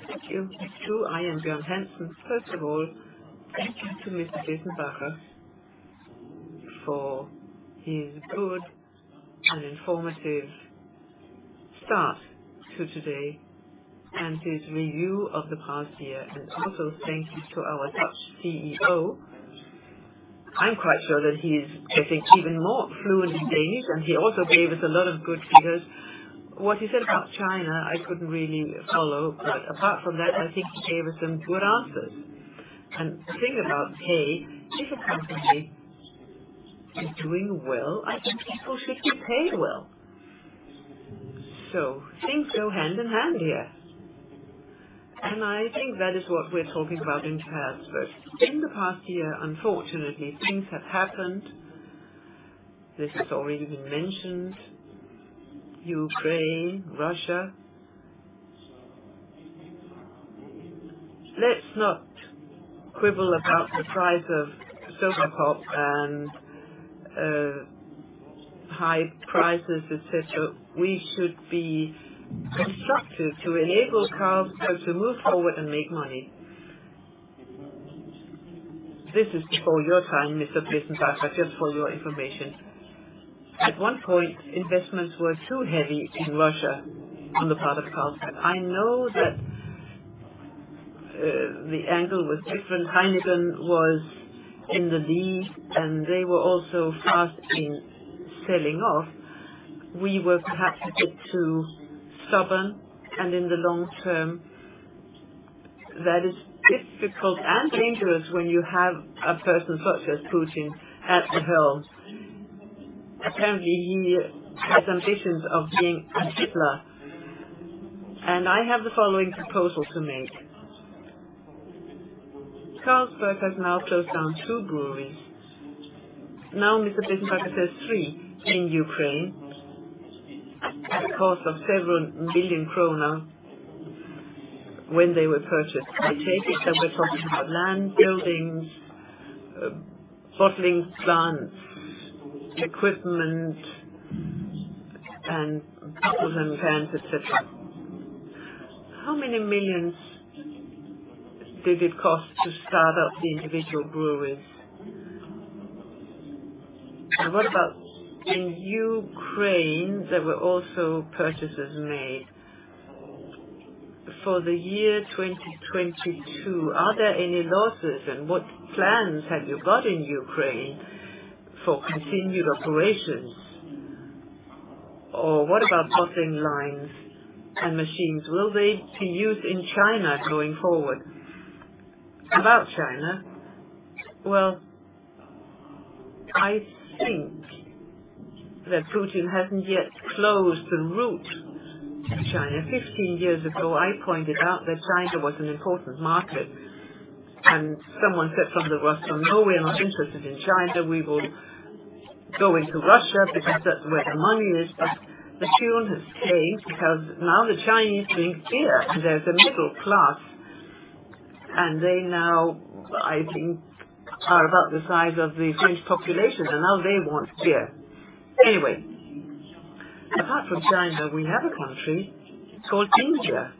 Thank you. It's true. I am Bjørn Hansen. First of all, thank you to Mr. Besenbacher for his good and informative start to today and his review of the past year. Also thank you to our Dutch CEO. I'm quite sure that he is getting even more fluent in Danish, and he also gave us a lot of good figures. What he said about China, I couldn't really follow, but apart from that, I think he gave us some good answers. The thing about pay, if a company is doing well, I think people should be paid well. Things go hand in hand here. I think that is what we're talking about in Carlsberg. In the past year, unfortunately, things have happened. This has already been mentioned. Ukraine, Russia. Let's not quibble about the price of soda pop and high prices, etc. We should be constructive to enable Carlsberg to move forward and make money. This is before your time, Mr. Besenbacher, just for your information. At one point, investments were too heavy in Russia on the part of Carlsberg. I know that, the angle was different. Heineken was in the lead, and they were also fast in selling off. We were perhaps a bit too stubborn, and in the long term, that is difficult and dangerous when you have a person such as Putin at the helm. Apparently, he has ambitions of being a Hitler, and I have the following proposal to make. Carlsberg has now closed down two breweries. Now, Mr. Besenbacher says three in Ukraine at the cost of several billion Danish kroner when they were purchased. I take it that we're talking about land, buildings, bottling plants, equipment, and bottles and cans, etc. How many millions did it cost to start up the individual breweries? What about in Ukraine? There were also purchases made. For the year 2022, are there any losses, and what plans have you got in Ukraine for continued operations? What about bottling lines and machines? Will they be used in China going forward? About China, well, I think that Putin hasn't yet closed the route to China. 15 years ago, I pointed out that China was an important market, and someone said from the Russian, "No, we're not interested in China. We will go into Russia because that's where the money is." The tune has changed because now the Chinese drink beer. There's a middle class, and they now, I think, are about the size of the French population, and now they want beer. Anyway, apart from China, we have a country called India.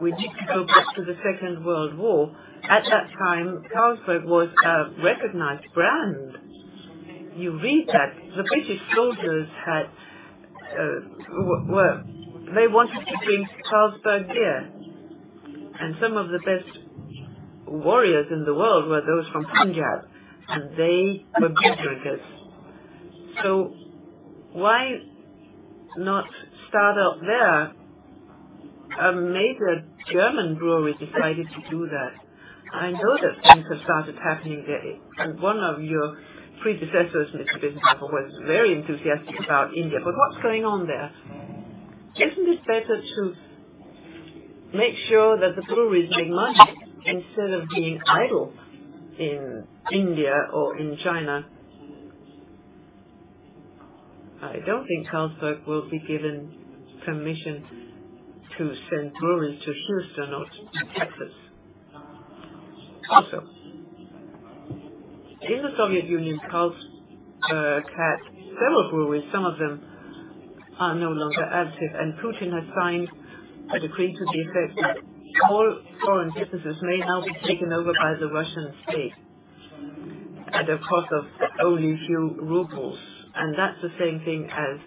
We need to go back to the Second World War. At that time, Carlsberg was a recognized brand. You read that. The British soldiers wanted to drink Carlsberg beer. Some of the best warriors in the world were those from Punjab, and they were beer drinkers. Why not start up there? A major German brewery decided to do that. I know that things have started happening there. One of your predecessors, Mr. Besenbacher, was very enthusiastic about India. What's going on there? Isn't it better to make sure that the breweries make money instead of being idle in India or in China? I don't think Carlsberg will be given permission to send breweries to Houston or to Texas. Also, in the Soviet Union, Carlsberg had several breweries. Some of them are no longer active, and Putin has signed a decree to the effect that all foreign businesses may now be taken over by the Russian state at a cost of only a few rubles. That's the same thing as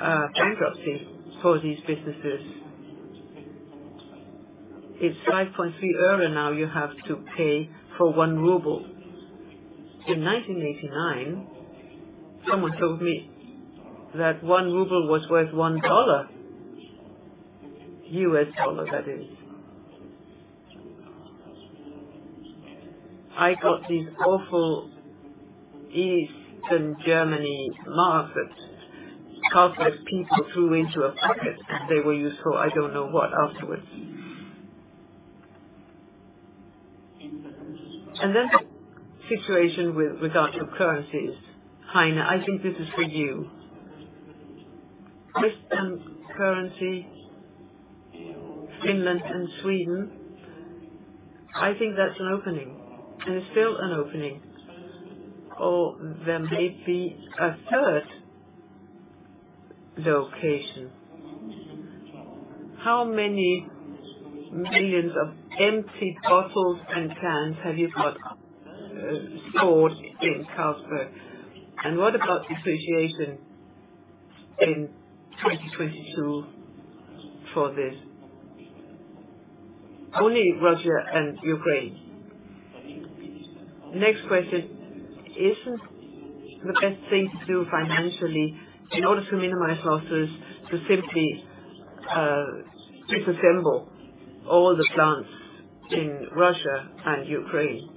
a bankruptcy for these businesses. It's 5.3 euro now you have to pay for 1 ruble. In 1989, someone told me that 1 ruble was worth $1, that is. I got these awful East German marks that Carlsberg people threw into a bucket, and they were useful. I don't know what afterwards. Then the situation with actual currencies. Heine, I think this is for you. With currency, Finland and Sweden, I think that's an opening, and it's still an opening. Or there may be a third location. How many millions of empty bottles and cans have you got stored in Carlsberg? What about depreciation in 2022 for this? Only Russia and Ukraine. Next question. Isn't the best thing to do financially in order to minimize losses to simply disassemble all the plants in Russia and Ukraine?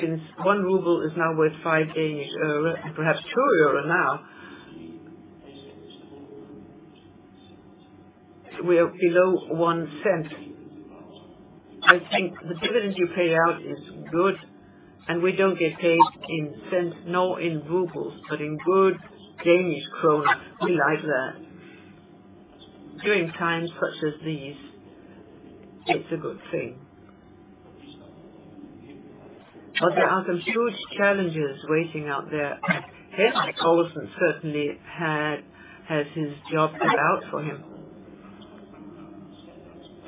Since 1 ruble is now worth 5, perhaps 2 euro now. We are below 0.01. I think the dividend you pay out is good, and we don't get paid in cents, nor in rubles, but in good Danish kroner. We like that. During times such as these, it's a good thing. There are some huge challenges waiting out there. Henrik Poulsen certainly has his job cut out for him.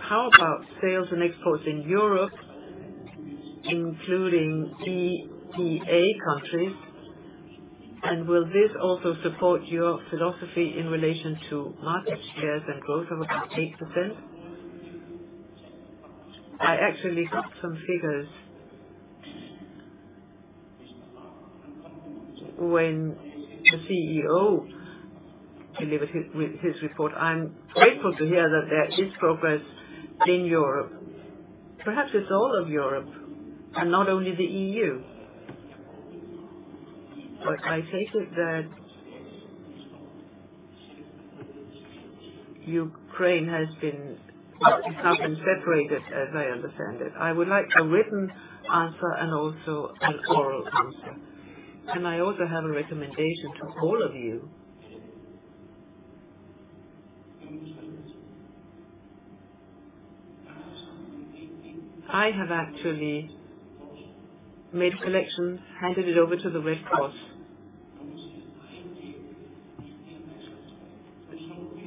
How about sales and exports in Europe, including EEA countries? Will this also support your philosophy in relation to market shares and growth of about 8%? I actually got some figures. When the CEO delivered his report, I'm grateful to hear that there is progress in Europe. Perhaps it's all of Europe and not only the EU. I take it that Ukraine has been separated, as I understand it. I would like a written answer and also an oral answer. I also have a recommendation to all of you. I have actually made collections, handed it over to the Red Cross.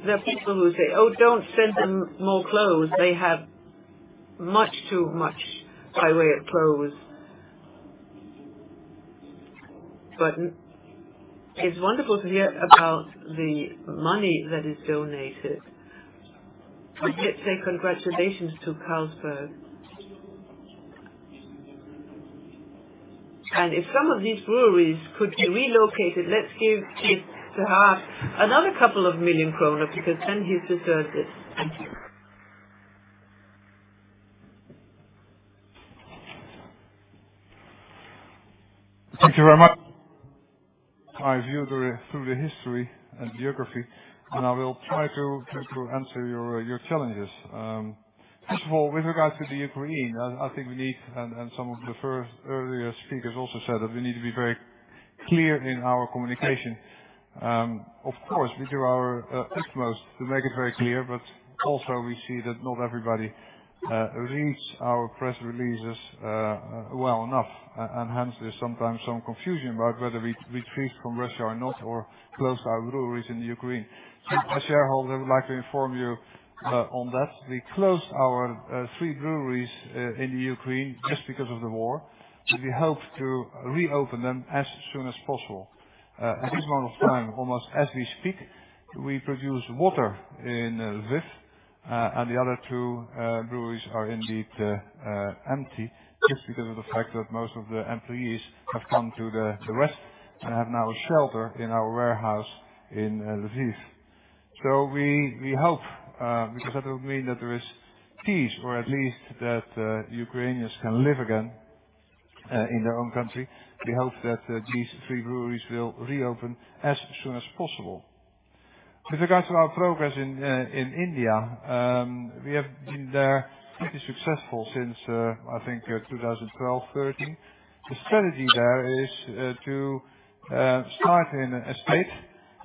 There are people who say, "Oh, don't send them more clothes. They have much too much high wear clothes." It's wonderful to hear about the money that is donated. Let's say congratulations to Carlsberg. If some of these breweries could be relocated, let's give Cees to have another couple million Danish kroner, because then he deserves it. Thank you. Thank you very much. I went through the history and geography, and I will try to answer your challenges. First of all, with regard to Ukraine, I think we need, and some of the other earlier speakers also said that we need to be very clear in our communication. Of course, we do our utmost to make it very clear, but also we see that not everybody reads our press releases well enough. And hence, there's sometimes some confusion about whether we retreat from Russia or not, or close our breweries in Ukraine. As a shareholder, I would like to inform you on that. We closed our three breweries in Ukraine just because of the war. We hope to reopen them as soon as possible. At this moment of time, almost as we speak, we produce water in Lviv, and the other two breweries are indeed empty just because of the fact that most of the employees have come to the west and have now a shelter in our warehouse in Lviv. We hope, because that will mean that there is peace or at least that Ukrainians can live again in their own country. We hope that these three breweries will reopen as soon as possible. With regards to our progress in India, we have been there pretty successful since, I think, 2012-2013. The strategy there is to start in a state,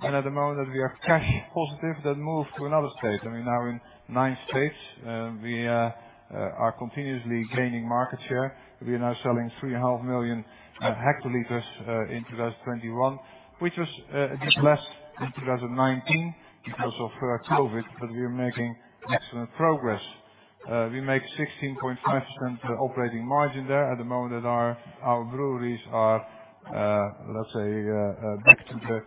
and at the moment that we are cash positive, then move to another state. We're now in nine states. We are continuously gaining market share. We are now selling 3.5 million hectoliters in 2021, which was less in 2019 because of COVID, but we are making excellent progress. We make 16.5% operating margin there. At the moment that our breweries are, let's say, back to the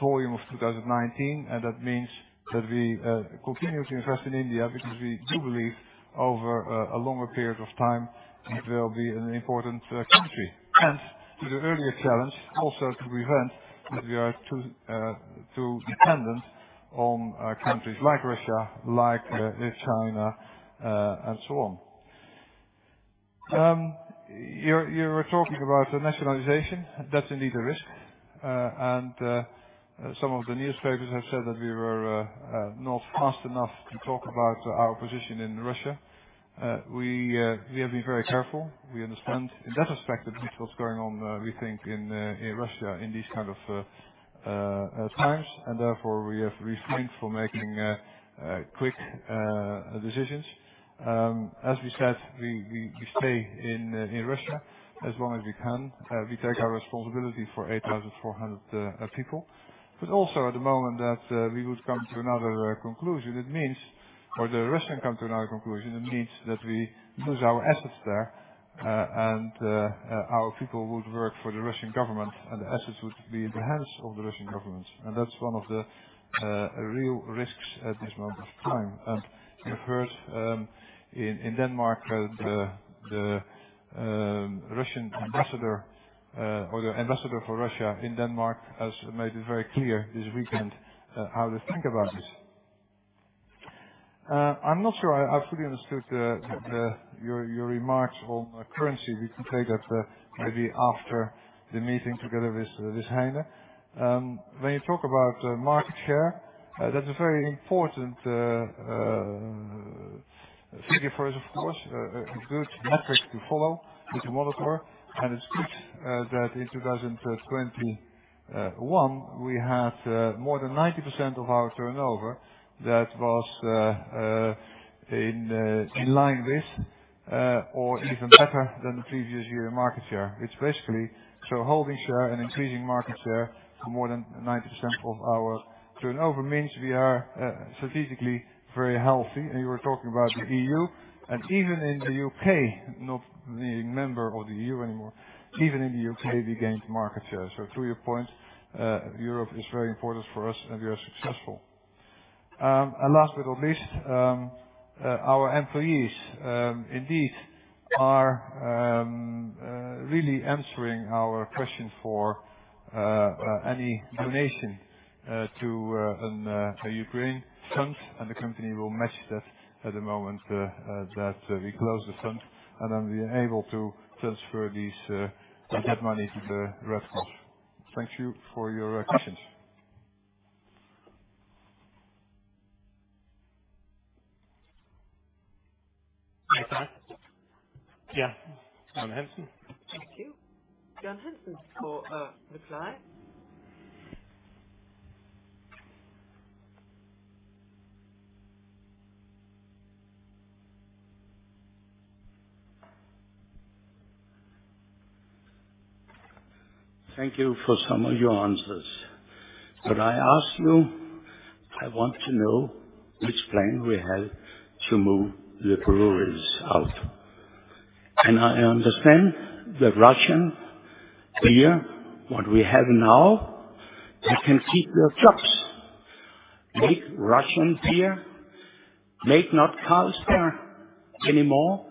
volume of 2019. That means that we continue to invest in India because we do believe over a longer period of time, it will be an important country. Hence, to the earlier challenge, also to prevent that we are too dependent on countries like Russia, like China, and so on. You're talking about the nationalization. That's indeed a risk. Some of the newspapers have said that we were not fast enough to talk about our position in Russia. We have been very careful. We understand in that respect at least what's going on. We think in Russia in these kind of times, and therefore we have refrained from making quick decisions. As we said, we stay in Russia as long as we can. We take our responsibility for 8,400 people. Also at the moment that we would come to another conclusion, it means or the Russian come to another conclusion, it means that we lose our assets there, and our people would work for the Russian government, and the assets would be in the hands of the Russian government. That's one of the real risks at this moment of time. You've heard in Denmark the Russian ambassador or the ambassador for Russia in Denmark has made it very clear this weekend how they think about this. I'm not sure I fully understood your remarks on currency. We can take that maybe after the meeting together with Heine. When you talk about market share, that's a very important figure for us of course. It's a good metric to follow, to monitor. It's good that in 2021 we had more than 90% of our turnover that was in line with or even better than the previous year market share. It's basically holding share and increasing market share to more than 90% of our turnover means we are strategically very healthy. You were talking about the EU and even in the U.K., not a member of the EU anymore, even in the U.K., we gained market share. To your point, Europe is very important for us, and we are successful. Last but not least, our employees indeed are really answering our request for any donation to a Ukraine fund, and the company will match that at the moment that we close the fund. Then we are able to transfer that money to the Red Cross. Thank you for your questions. Thank you, Bjørn Hansen, for some of your answers. I ask you, I want to know which plan we have to move the breweries out. I understand the Russian beer, what we have now, you can keep your shops. Make Russian beer. Make not Carlsberg anymore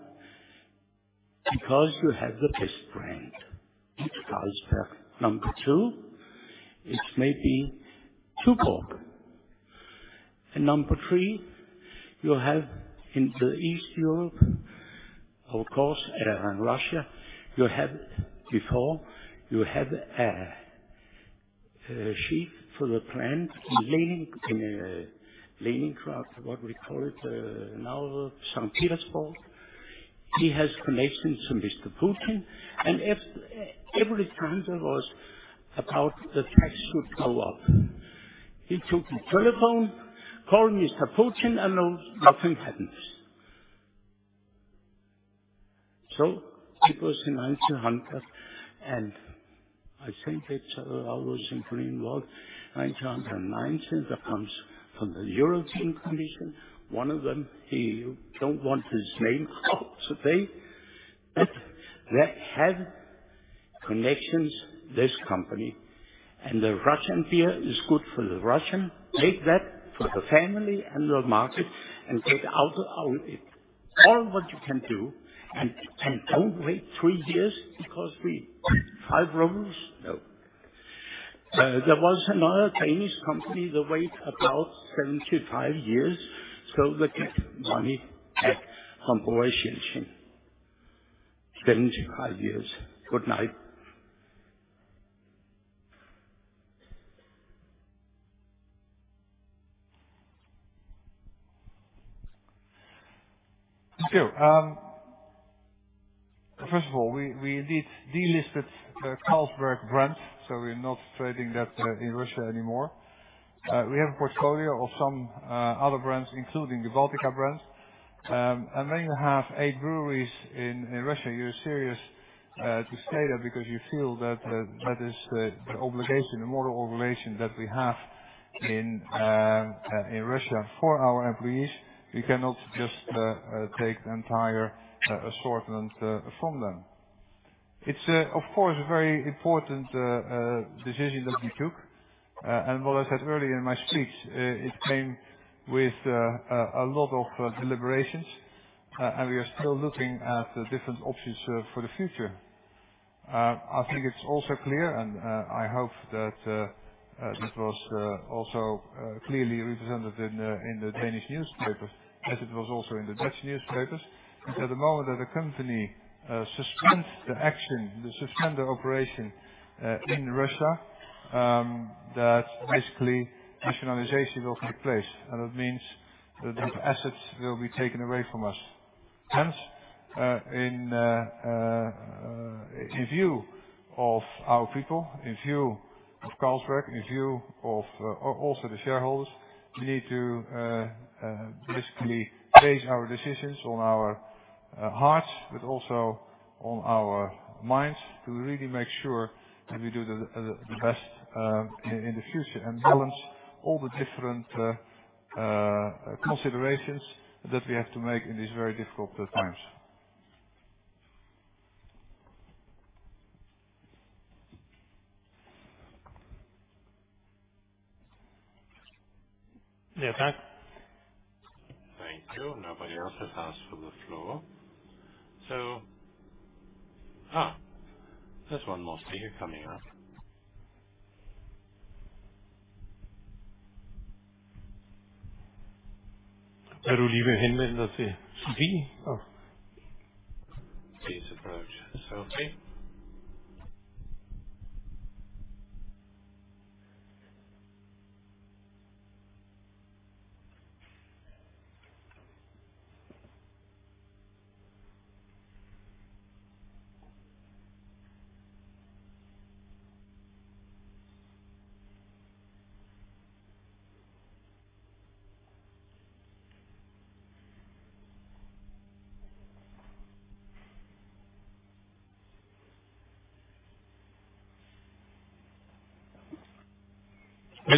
because you have the best brand, Carlsberg. Number two, it may be Tuborg. Number three, you have in the Eastern Europe, of course, in Russia, you had before, you had a chief for the plant in Leningrad what we call it, now Saint Petersburg. He has connections to Mr. Putin. Every time there was about the tax should go up, he took the telephone, call Mr. Putin, and now nothing happens. It was in 1900, and I think it was in green world, 1919, that comes from the European Commission. One of them, he don't want his name out today, but they had connections, this company. The Russian beer is good for the Russian. Make that for the family and the market and get out of it. All what you can do, and don't wait three years because we 5. No. There was another Danish company that wait about 75 years. They get money back from. 75 years. Good night. Thank you. First of all, we indeed delisted Carlsberg brands, so we're not trading that in Russia anymore. We have a portfolio of some other brands, including the Baltika brand. When you have eight breweries in Russia, you're serious to stay there because you feel that that is the obligation, the moral obligation that we have in Russia for our employees. We cannot just take the entire assortment from them. It's of course a very important decision that we took. What I said earlier in my speech, it came with a lot of deliberations, and we are still looking at the different options for the future. I think it's also clear, and I hope that this was also clearly represented in the Danish newspapers as it was also in the Dutch newspapers. That the moment that a company suspends operations, they suspend their operations in Russia, that basically nationalization will take place. That means that those assets will be taken away from us. Hence, in view of our people, in view of Carlsberg, in view of also the shareholders, we need to basically base our decisions on our hearts, but also on our minds to really make sure that we do the best in the future and balance all the different considerations that we have to make in these very difficult times. Thank you. Nobody else has asked for the floor. There's one more speaker coming up. Please approach the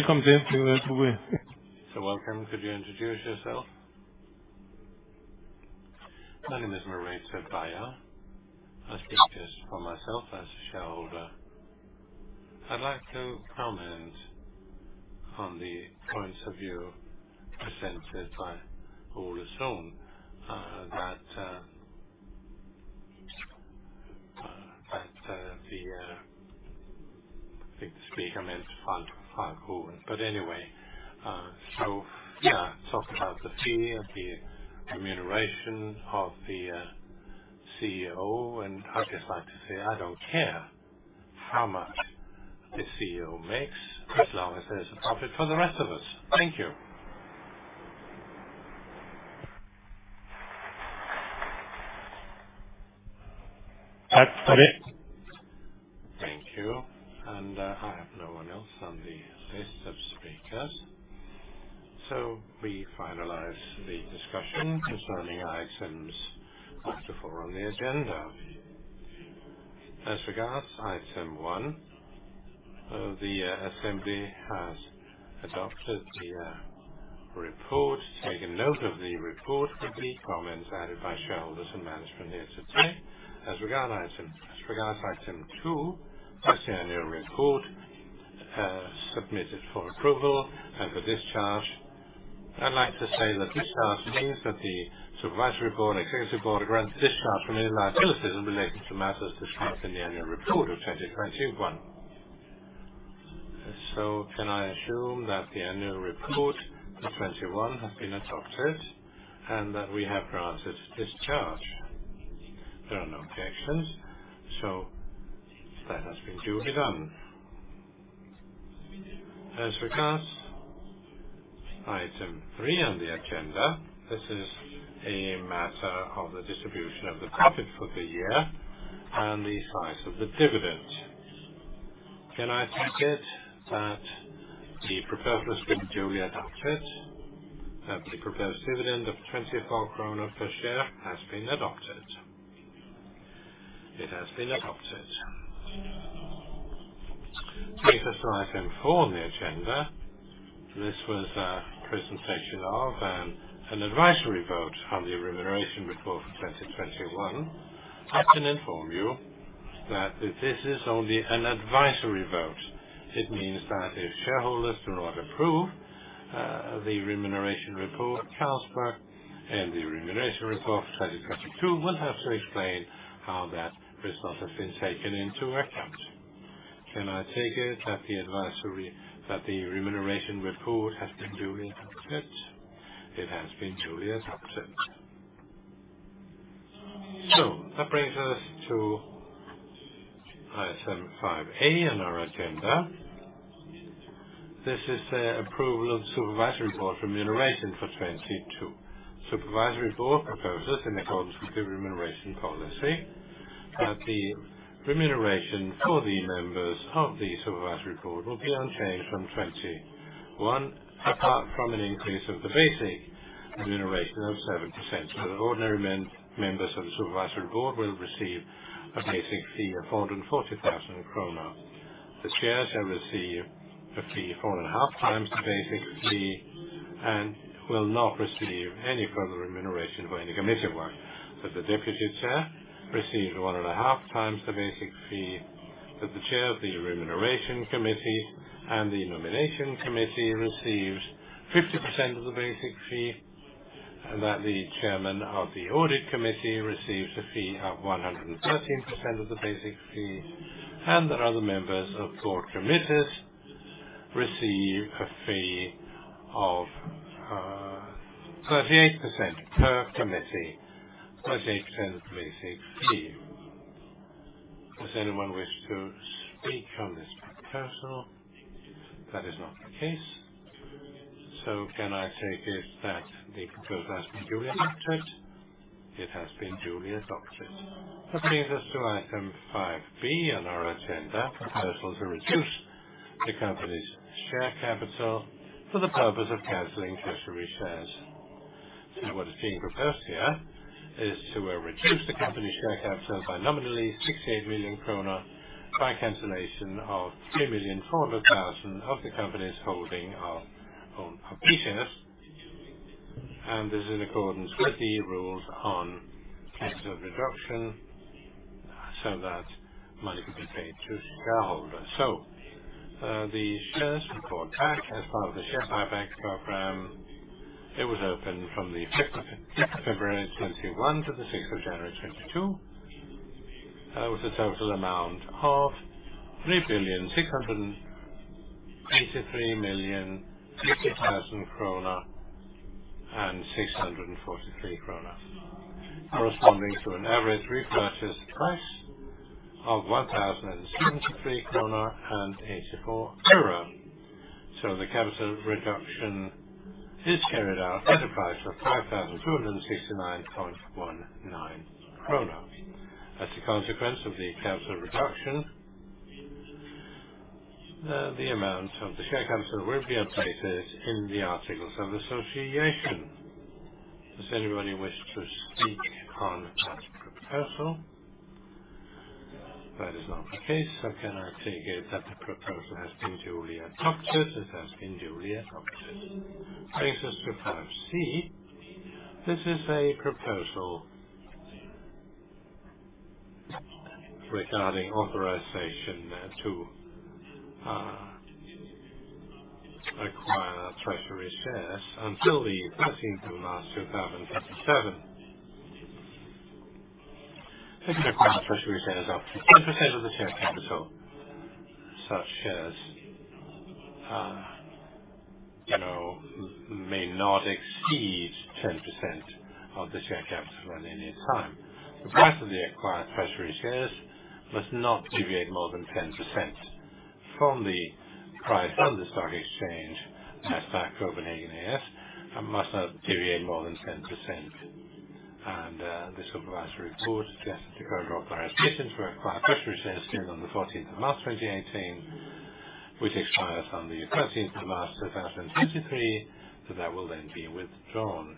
podium. Welcome. Could you introduce yourself? My name is Merete Beyer. I speak just for myself as a shareholder. I'd like to comment on the points of view presented by Frank Aaen. But anyway. Talk about the fee, the remuneration of the CEO. I'd just like to say, I don't care how much the CEO makes, as long as there's a profit for the rest of us. Thank you. Thank you. I have no one else on the list of speakers. We finalize the discussion concerning items 5-4 on the agenda. As regards item 1, the assembly has adopted the report, taken note of the report with the comments added by shareholders and management here today. As regards item 2, that's the annual report submitted for approval and for discharge. I'd like to say that discharge means that the Supervisory Board and Executive Board are granted discharge from any liability related to matters disclosed in the annual report of 2021. Can I assume that the annual report of 2021 has been adopted and that we have granted discharge? There are no objections, so that has been duly done. As regards item 3 on the agenda, this is a matter of the distribution of the profit for the year and the size of the dividend. Can I take it that the proposal has been duly adopted, that the proposed dividend of 24 kroner per share has been adopted? It has been adopted. Now for item 4 on the agenda. This was a presentation of an advisory vote on the remuneration report for 2021. I can inform you that this is only an advisory vote. It means that if shareholders do not approve the remuneration report of Carlsberg and the remuneration report for 2022 would have to explain how that result has been taken into account. Can I take it that the remuneration report has been duly adopted? It has been duly adopted. That brings us to item 5A on our agenda. This is the approval of Supervisory Board remuneration for 2022. Supervisory Board proposes, in accordance with the remuneration policy, that the remuneration for the members of the Supervisory Board will be unchanged from 2021, apart from an increase of the basic remuneration of 7%. The ordinary members of the Supervisory Board will receive a basic fee of 140,000 kroner. The Chair shall receive a fee four and a half times the basic fee and will not receive any further remuneration for any committee work. That the Deputy Chair receives 1.5 times the basic fee. That the chair of the Remuneration Committee and the Nomination Committee receives 50% of the basic fee. The chairman of the Audit Committee receives a fee of 113% of the basic fee. Other members of core committees receive a fee of 38% per committee. 38% of the basic fee. Does anyone wish to speak on this proposal? That is not the case. Can I take it that the proposal has been duly adopted? It has been duly adopted. That brings us to item 5B on our agenda. Proposal to reduce the company's share capital for the purpose of canceling treasury shares. Now, what is being proposed here is to reduce the company's share capital by nominally 68 million kroner by cancellation of 3.4 million of the company's holding of B shares. This is in accordance with the rules on capital reduction so that money can be paid to shareholders. The shares were bought back as part of the share buyback program. It was open from February 5th, 2021-January 6th, 2022. With a total amount of 3,683,060,643 krone, corresponding to an average repurchase price of DKK 1,073.84. The capital reduction is carried out at a price of 5,269.19. As a consequence of the capital reduction, the amount of the share capital will be updated in the articles of association. Does anybody wish to speak on that proposal? That is not the case. Can I take it that the proposal has been duly adopted? It has been duly adopted. Brings us to 5C. This is a proposal regarding authorization to acquire treasury shares until March 13th, 2057. It requires treasury shares up to 10% of the share capital. Such shares, you know, may not exceed 10% of the share capital at any time. The price of the acquired treasury shares must not deviate more than 10% from the price on the stock exchange at Nasdaq Copenhagen A/S, and must not deviate more than 10%. The Supervisory Board suggests the overall authorizations for acquired treasury shares ending on March 14th, 2018, which expires on March 13th, 2023. That will then be withdrawn.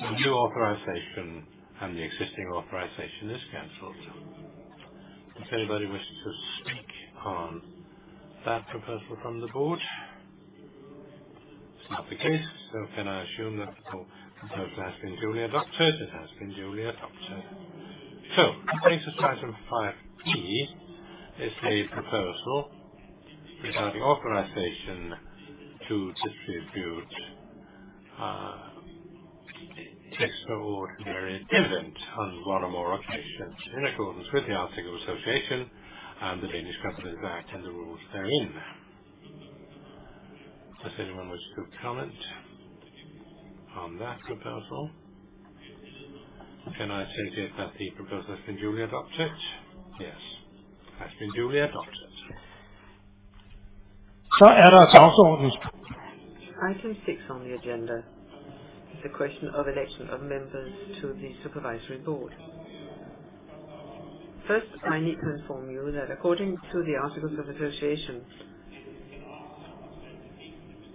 The new authorization and the existing authorization is canceled. Does anybody wish to speak on that proposal from the Board? It's not the case. Can I assume that the proposal has been duly adopted? It has been duly adopted. That brings us to item 5D. It's a proposal regarding authorization to distribute extraordinary dividend on one or more occasions in accordance with the Articles of Association and the Danish Companies Act and the rules therein. Does anyone wish to comment on that proposal? Can I take it that the proposal has been duly adopted? Yes. Has been duly adopted. Item 6 on the agenda is a question of election of members to the Supervisory Board. First, I need to inform you that according to the Articles of Association,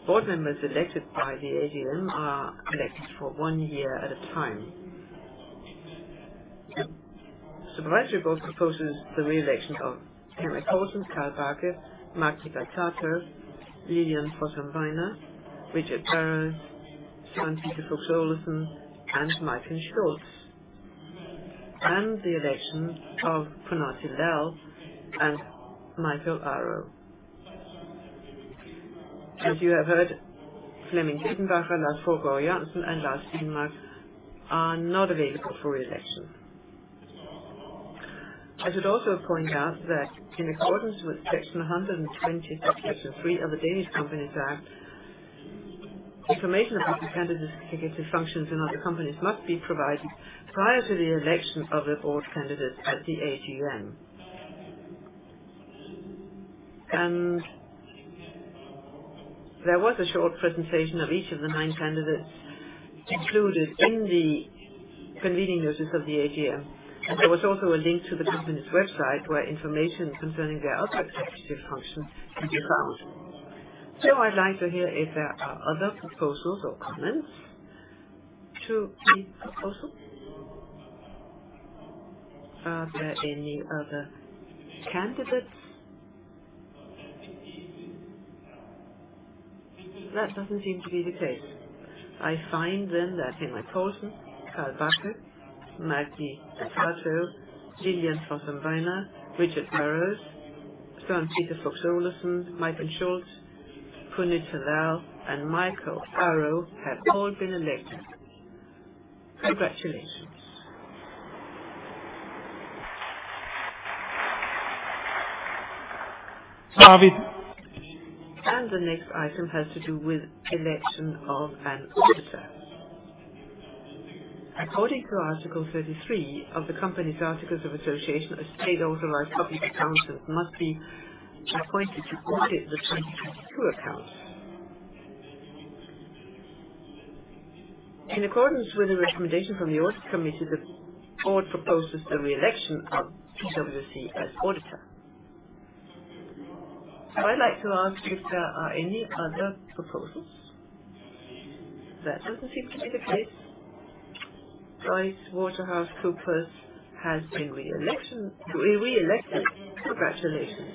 Board members elected by the AGM are elected for one year at a time. The Supervisory Board proposes the re-election of Henrik Poulsen, Carl Bache, Magdi Batato, Lilian Fossum Biner, Richard Burrows, Søren-Peter Fuchs Olesen, and Majken Schultz, and the election of Punita Lal and Mikael Aro. As you have heard, Flemming Besenbacher, Lars Fruergaard Jørgensen, and Lars Stemmerik are not available for re-election. I should also point out that in accordance with section 120 (3) of the Danish Companies Act, information about the candidates' executive functions in other companies must be provided prior to the election of the Board candidates at the AGM. There was a short presentation of each of the nine candidates included in the convening notice of the AGM. There was also a link to the company's website where information concerning their other executive functions can be found. I'd like to hear if there are other proposals or comments to the proposal. Are there any other candidates? That doesn't seem to be the case. I find then that Henrik Poulsen, Carl Bache, Magdi Batato, Lilian Fossum Biner, Richard Burrows, Søren-Peter Fuchs Olesen, Majken Schultz, Punita Lal, and Mikael Aro have all been elected. Congratulations. The next item has to do with election of an auditor. According to Article 33 of the company's articles of association, a state-authorized public accountant must be appointed to audit the 2022 accounts. In accordance with the recommendation from the Audit Committee, the Board proposes the re-election of PwC as auditor. I'd like to ask if there are any other proposals. That doesn't seem to be the case. PricewaterhouseCoopers has been re-elected. Congratulations.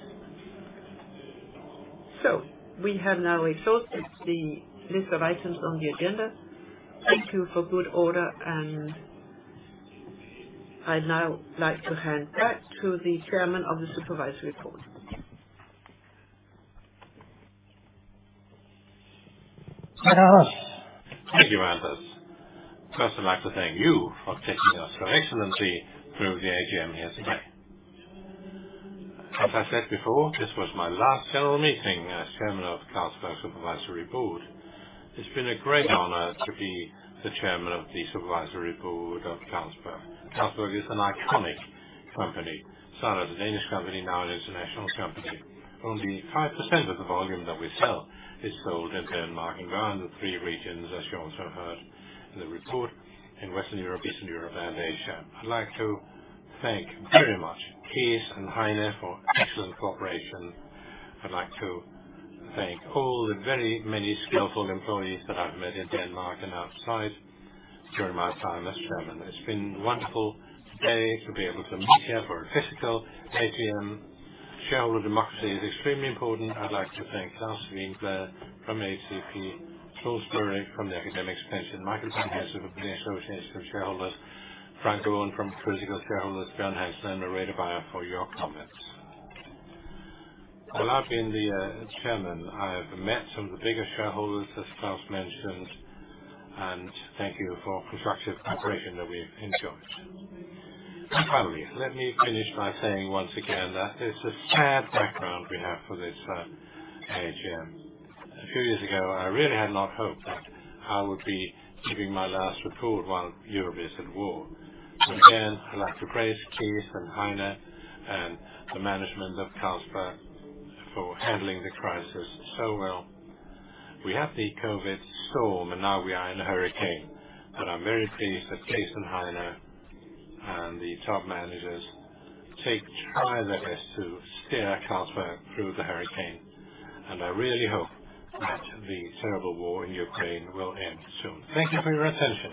We have now exhausted the list of items on the agenda. Thank you for good order, and I'd now like to hand back to the Chairman of the Supervisory Board. Thank you, Chairman of the Annual General Meeting. First, I'd like to thank you for taking us so excellently through the AGM yesterday. As I said before, this was my last general meeting as Chairman of the Carlsberg Supervisory Board. It's been a great honor to be the Chairman of the Supervisory Board of Carlsberg. Carlsberg is an iconic company, started as a Danish company, now an international company. Only 5% of the volume that we sell is sold in Denmark. We are in the three regions, as you also heard in the report, in Western Europe, Eastern Europe, and Asia. I'd like to thank very much Cees and Heine for excellent cooperation. I'd like to thank all the very many skillful employees that I've met in Denmark and outside during my time as Chairman. It's been a wonderful day to be able to meet here for a physical AGM. Shareholder democracy is extremely important. I'd like to thank Claus Wiinblad from AkademikerPension, Troels Børrild from AkademikerPension, Mikael Bak from the Danish Shareholders' Association, Frank Aaen from Critical Shareholders, Bjørn Hansen and Merete Beyer for your comments. While I've been the chairman, I have met some of the biggest shareholders, as Claus mentioned, and thank you for constructive cooperation that we've enjoyed. Finally, let me finish by saying once again that it's a sad background we have for this AGM. A few years ago, I really had not hoped that I would be giving my last report while Europe is at war. Again, I'd like to praise Cees and Heine and the management of Carlsberg for handling the crisis so well. We have the COVID storm, and now we are in a hurricane, and I'm very pleased that Cees and Heine and the top managers take pride in this to steer Carlsberg through the hurricane. I really hope that the terrible war in Ukraine will end soon. Thank you for your attention.